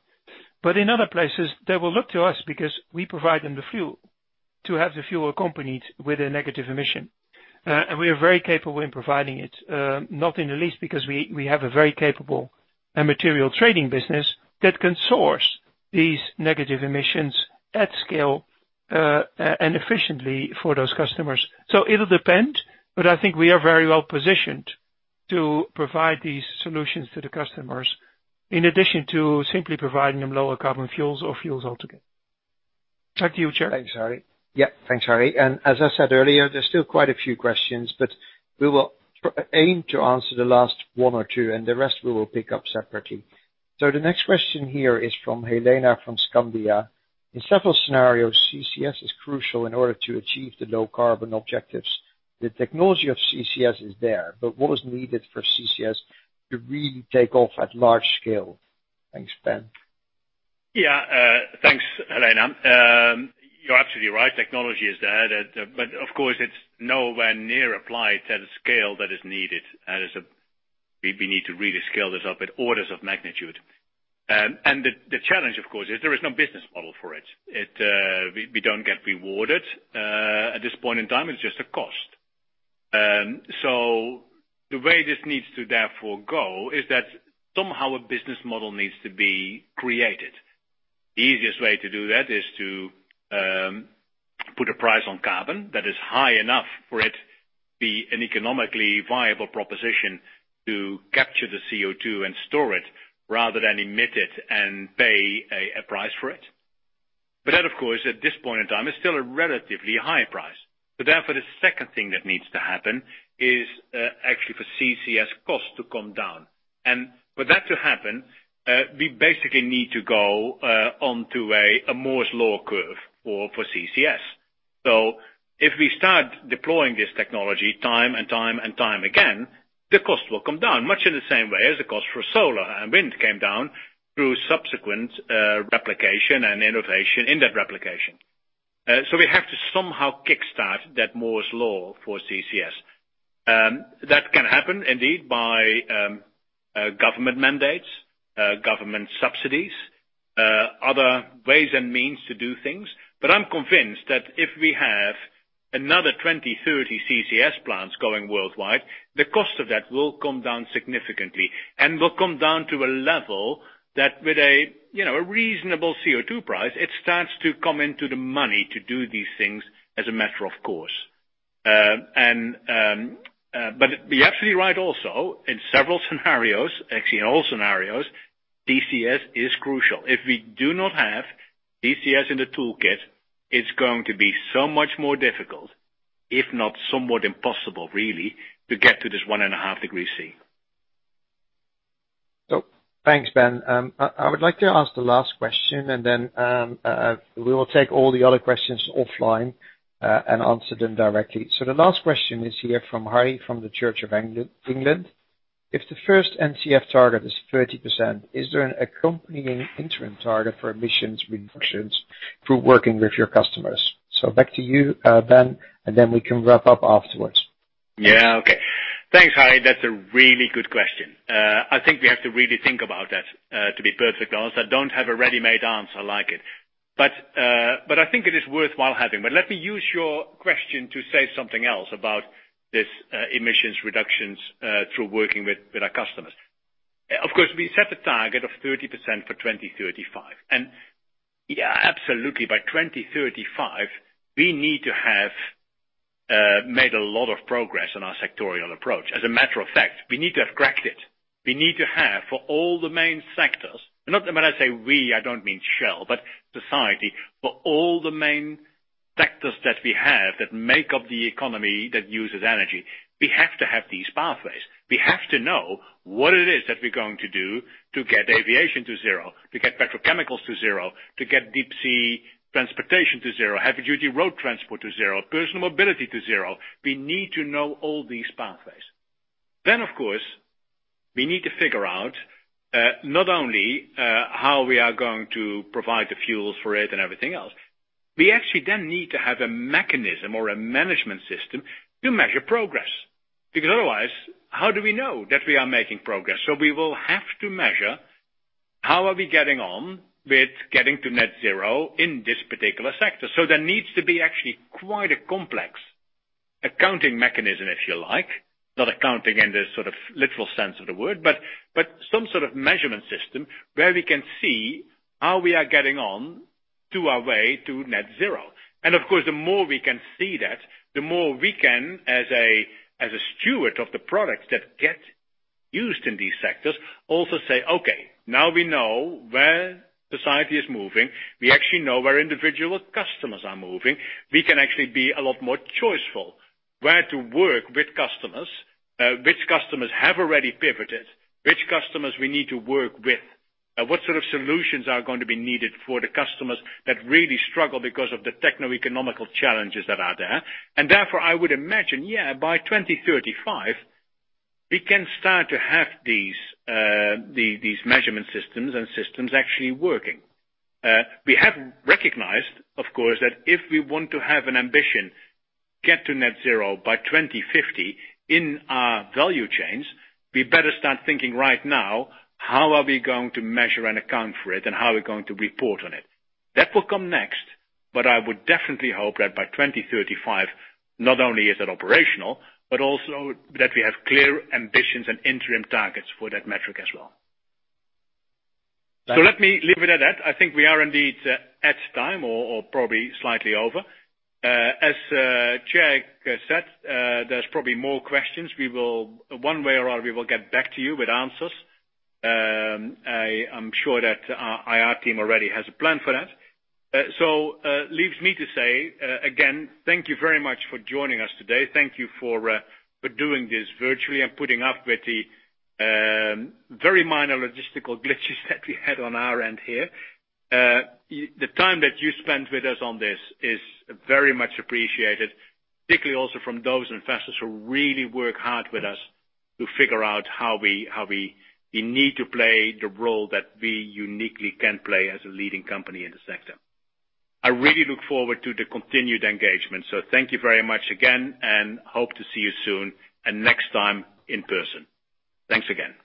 In other places, they will look to us because we provide them the fuel, to have the fuel accompanied with a negative emission. We are very capable in providing it, not in the least, because we have a very capable material trading business that can source these negative emissions at scale, and efficiently for those customers. It will depend, but I think we are very well positioned to provide these solutions to the customers in addition to simply providing them lower carbon fuels or fuels altogether. Back to you, Tjerk. Thanks, Harry. As I said earlier, there's still quite a few questions, but we will aim to answer the last one or two, and the rest we will pick up separately. The next question here is from Helena, from Skandia. In several scenarios, CCS is crucial in order to achieve the low carbon objectives. The technology of CCS is there, but what was needed for CCS to really take off at large scale? Thanks, Ben. Thanks, Helena. You're absolutely right. Technology is there. Of course, it's nowhere near applied at a scale that is needed. We need to really scale this up at orders of magnitude. The challenge, of course, is there is no business model for it. We don't get rewarded, at this point in time, it's just a cost. The way this needs to therefore go is that somehow a business model needs to be created. Easiest way to do that is to put a price on carbon that is high enough for it to be an economically viable proposition to capture the CO₂ and store it rather than emit it and pay a price for it. That, of course, at this point in time, is still a relatively high price. Therefore, the second thing that needs to happen is, actually for CCS costs to come down. For that to happen, we basically need to go onto a Moore's law curve for CCS. If we start deploying this technology time and time again, the cost will come down, much in the same way as the cost for solar and wind came down through subsequent replication and innovation in that replication. We have to somehow kickstart that Moore's law for CCS. That can happen indeed by government mandates, government subsidies, other ways and means to do things. I'm convinced that if we have another 2030 CCS plants going worldwide, the cost of that will come down significantly and will come down to a level that with a reasonable CO₂ price, it starts to come into the money to do these things as a matter of course. You're absolutely right also. In several scenarios, actually in all scenarios, CCS is crucial. If we do not have CCS in the toolkit, it's going to be so much more difficult, if not somewhat impossible, really, to get to this 1.5 degrees C. Thanks, Ben. I would like to ask the last question, and then we will take all the other questions offline, and answer them directly. The last question is here from Harry, from the Church of England. If the first NCF target is 30%, is there an accompanying interim target for emissions reductions through working with your customers? Back to you, Ben, and then we can wrap up afterwards. Yeah. Okay. Thanks, Harry. That's a really good question. I think we have to really think about that to be perfectly honest. I don't have a ready-made answer like it. I think it is worthwhile having. Let me use your question to say something else about this emissions reductions, through working with our customers. Of course, we set a target of 30% for 2035. Yeah, absolutely. By 2035, we need to have made a lot of progress on our sectorial approach. As a matter of fact, we need to have cracked it. We need to have, for all the main sectors, and when I say we, I don't mean Shell, but society, for all the main sectors that we have that make up the economy that uses energy, we have to have these pathways. We have to know what it is that we're going to do to get aviation to zero, to get petrochemicals to zero, to get deep sea transportation to zero, heavy duty road transport to zero, personal mobility to zero. We need to know all these pathways. Of course, we need to figure out, not only how we are going to provide the fuels for it and everything else. We actually then need to have a mechanism or a management system to measure progress, because otherwise, how do we know that we are making progress? We will have to measure how are we getting on with getting to net-zero in this particular sector. There needs to be actually quite a complex accounting mechanism, if you like, not accounting in the sort of literal sense of the word, but some sort of measurement system where we can see how we are getting on to our way to net-zero. Of course, the more we can see that, the more we can, as a steward of the products that get used in these sectors, also say, okay, now we know where society is moving. We actually know where individual customers are moving. We can actually be a lot more choiceful where to work with customers, which customers have already pivoted, which customers we need to work with, what sort of solutions are going to be needed for the customers that really struggle because of the techno-economical challenges that are there. Therefore, I would imagine, yeah, by 2035, we can start to have these measurement systems and systems actually working. We have recognized, of course, that if we want to have an ambition, get to net-zero by 2050 in our value chains, we better start thinking right now, how are we going to measure and account for it and how are we going to report on it? That will come next. I would definitely hope that by 2035, not only is it operational, but also that we have clear ambitions and interim targets for that metric as well. Let me leave it at that. I think we are indeed at time or probably slightly over. As Chair said, there's probably more questions. One way or another, we will get back to you with answers. I'm sure that our IR team already has a plan for that. Leaves me to say, again, thank you very much for joining us today. Thank you for doing this virtually and putting up with the very minor logistical glitches that we had on our end here. The time that you spent with us on this is very much appreciated, particularly also from those investors who really work hard with us to figure out how we need to play the role that we uniquely can play as a leading company in the sector. I really look forward to the continued engagement. Thank you very much again, and hope to see you soon and next time in person. Thanks again.